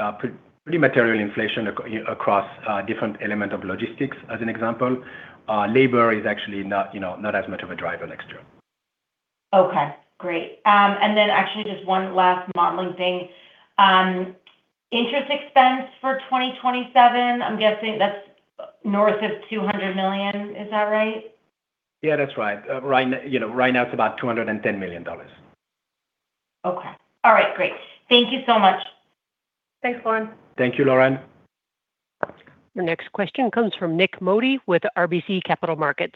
pretty material inflation across different elements of logistics, as an example. Labor is actually not as much of a driver next year. Okay, great. Actually just one last modeling thing. Interest expense for 2027, I'm guessing that's north of $200 million. Is that right? Yeah, that's right. Right now it's about $210 million. Okay. All right, great. Thank you so much. Thanks, Lauren. Thank you, Lauren. Your next question comes from Nik Modi with RBC Capital Markets.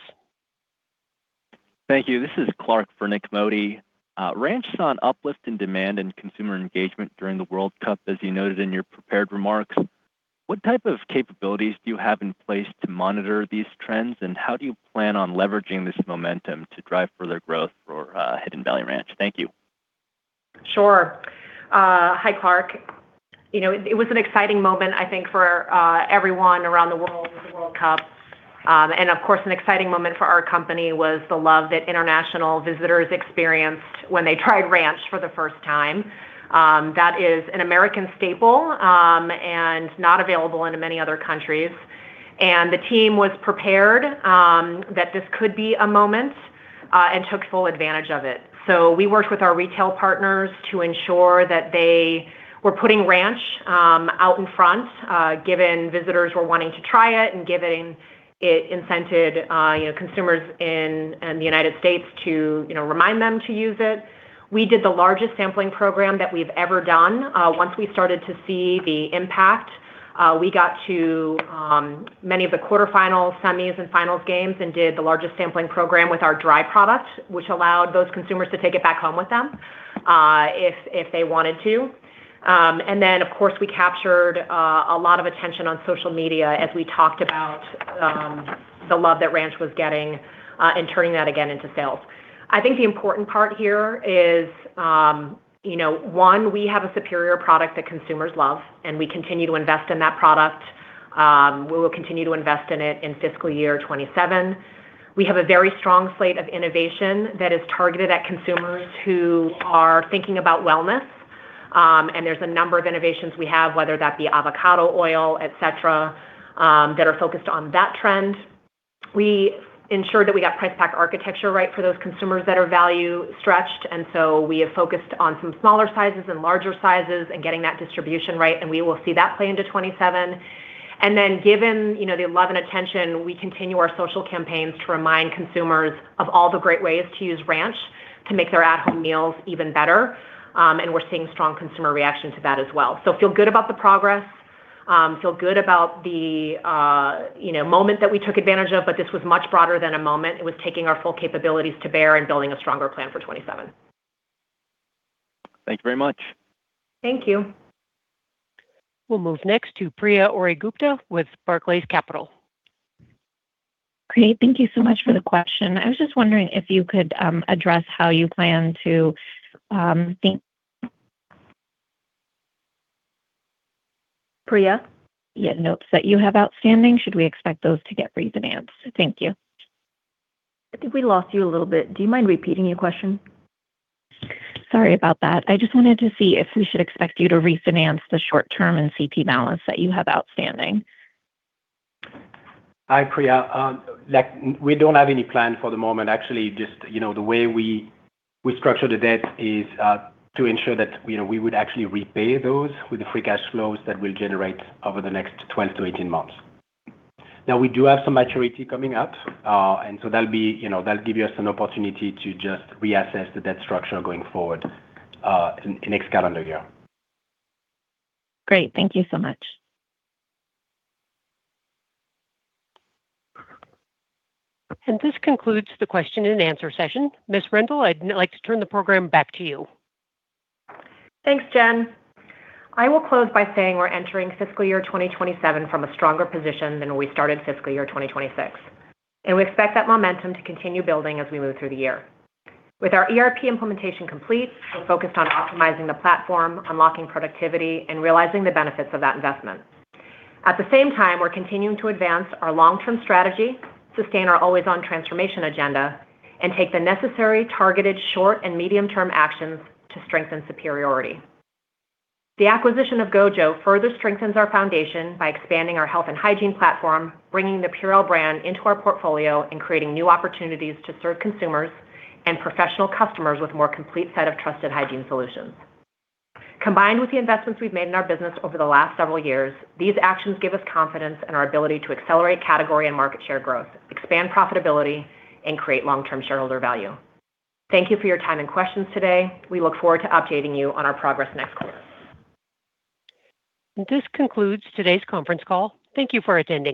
Thank you. This is Clark for Nik Modi. Ranch saw an uplift in demand and consumer engagement during the World Cup, as you noted in your prepared remarks. What type of capabilities do you have in place to monitor these trends, and how do you plan on leveraging this momentum to drive further growth for Hidden Valley Ranch? Thank you. Sure. Hi, Clark. It was an exciting moment, I think, for everyone around the world with the World Cup. Of course, an exciting moment for our company was the love that international visitors experienced when they tried Ranch for the first time. That is an American staple and not available in many other countries. The team was prepared that this could be a moment and took full advantage of it. We worked with our retail partners to ensure that they were putting Ranch out in front, given visitors were wanting to try it and giving it incented consumers in the United States to remind them to use it. We did the largest sampling program that we've ever done. Once we started to see the impact, we got to many of the quarterfinal, semis, and finals games and did the largest sampling program with our dry product, which allowed those consumers to take it back home with them if they wanted to. Of course, we captured a lot of attention on social media as we talked about the love that Ranch was getting and turning that again into sales. I think the important part here is, one, we have a superior product that consumers love, and we continue to invest in that product. We will continue to invest in it in fiscal year 2027. We have a very strong slate of innovation that is targeted at consumers who are thinking about wellness, and there's a number of innovations we have, whether that be avocado oil, et cetera, that are focused on that trend. We ensure that we got price pack architecture right for those consumers that are value stretched. We have focused on some smaller sizes and larger sizes and getting that distribution right. We will see that play into 2027. Given the love and attention, we continue our social campaigns to remind consumers of all the great ways to use Ranch to make their at-home meals even better. We're seeing strong consumer reaction to that as well. Feel good about the progress, feel good about the moment that we took advantage of. This was much broader than a moment. It was taking our full capabilities to bear and building a stronger plan for 2027. Thank you very much. Thank you. We'll move next to Priya Ohri Gupta with Barclays Capital. Great. Thank you so much for the question. I was just wondering if you could address how you plan to think. Priya? Yeah, notes that you have outstanding, should we expect those to get refinanced? Thank you. I think we lost you a little bit. Do you mind repeating your question? Sorry about that. I just wanted to see if we should expect you to refinance the short-term and CP balance that you have outstanding. Hi, Priya. We don't have any plan for the moment. Actually, just the way we structure the debt is to ensure that we would actually repay those with the free cash flows that we'll generate over the next 12-18 months. We do have some maturity coming up, and so that'll give us an opportunity to just reassess the debt structure going forward in next calendar year. Great. Thank you so much. This concludes the Q&A session. Ms. Rendle, I'd like to turn the program back to you. Thanks, Jen. I will close by saying we're entering fiscal year 2027 from a stronger position than we started fiscal year 2026, and we expect that momentum to continue building as we move through the year. With our ERP implementation complete, we're focused on optimizing the platform, unlocking productivity, and realizing the benefits of that investment. At the same time, we're continuing to advance our long-term strategy, sustain our Always On transformation agenda, and take the necessary targeted short- and medium-term actions to strengthen superiority. The acquisition of GOJO further strengthens our foundation by expanding our health and hygiene platform, bringing the Purell brand into our portfolio, and creating new opportunities to serve consumers and professional customers with a more complete set of trusted hygiene solutions. Combined with the investments we've made in our business over the last several years, these actions give us confidence in our ability to accelerate category and market share growth, expand profitability, and create long-term shareholder value. Thank you for your time and questions today. We look forward to updating you on our progress next quarter. This concludes today's conference call. Thank you for attending.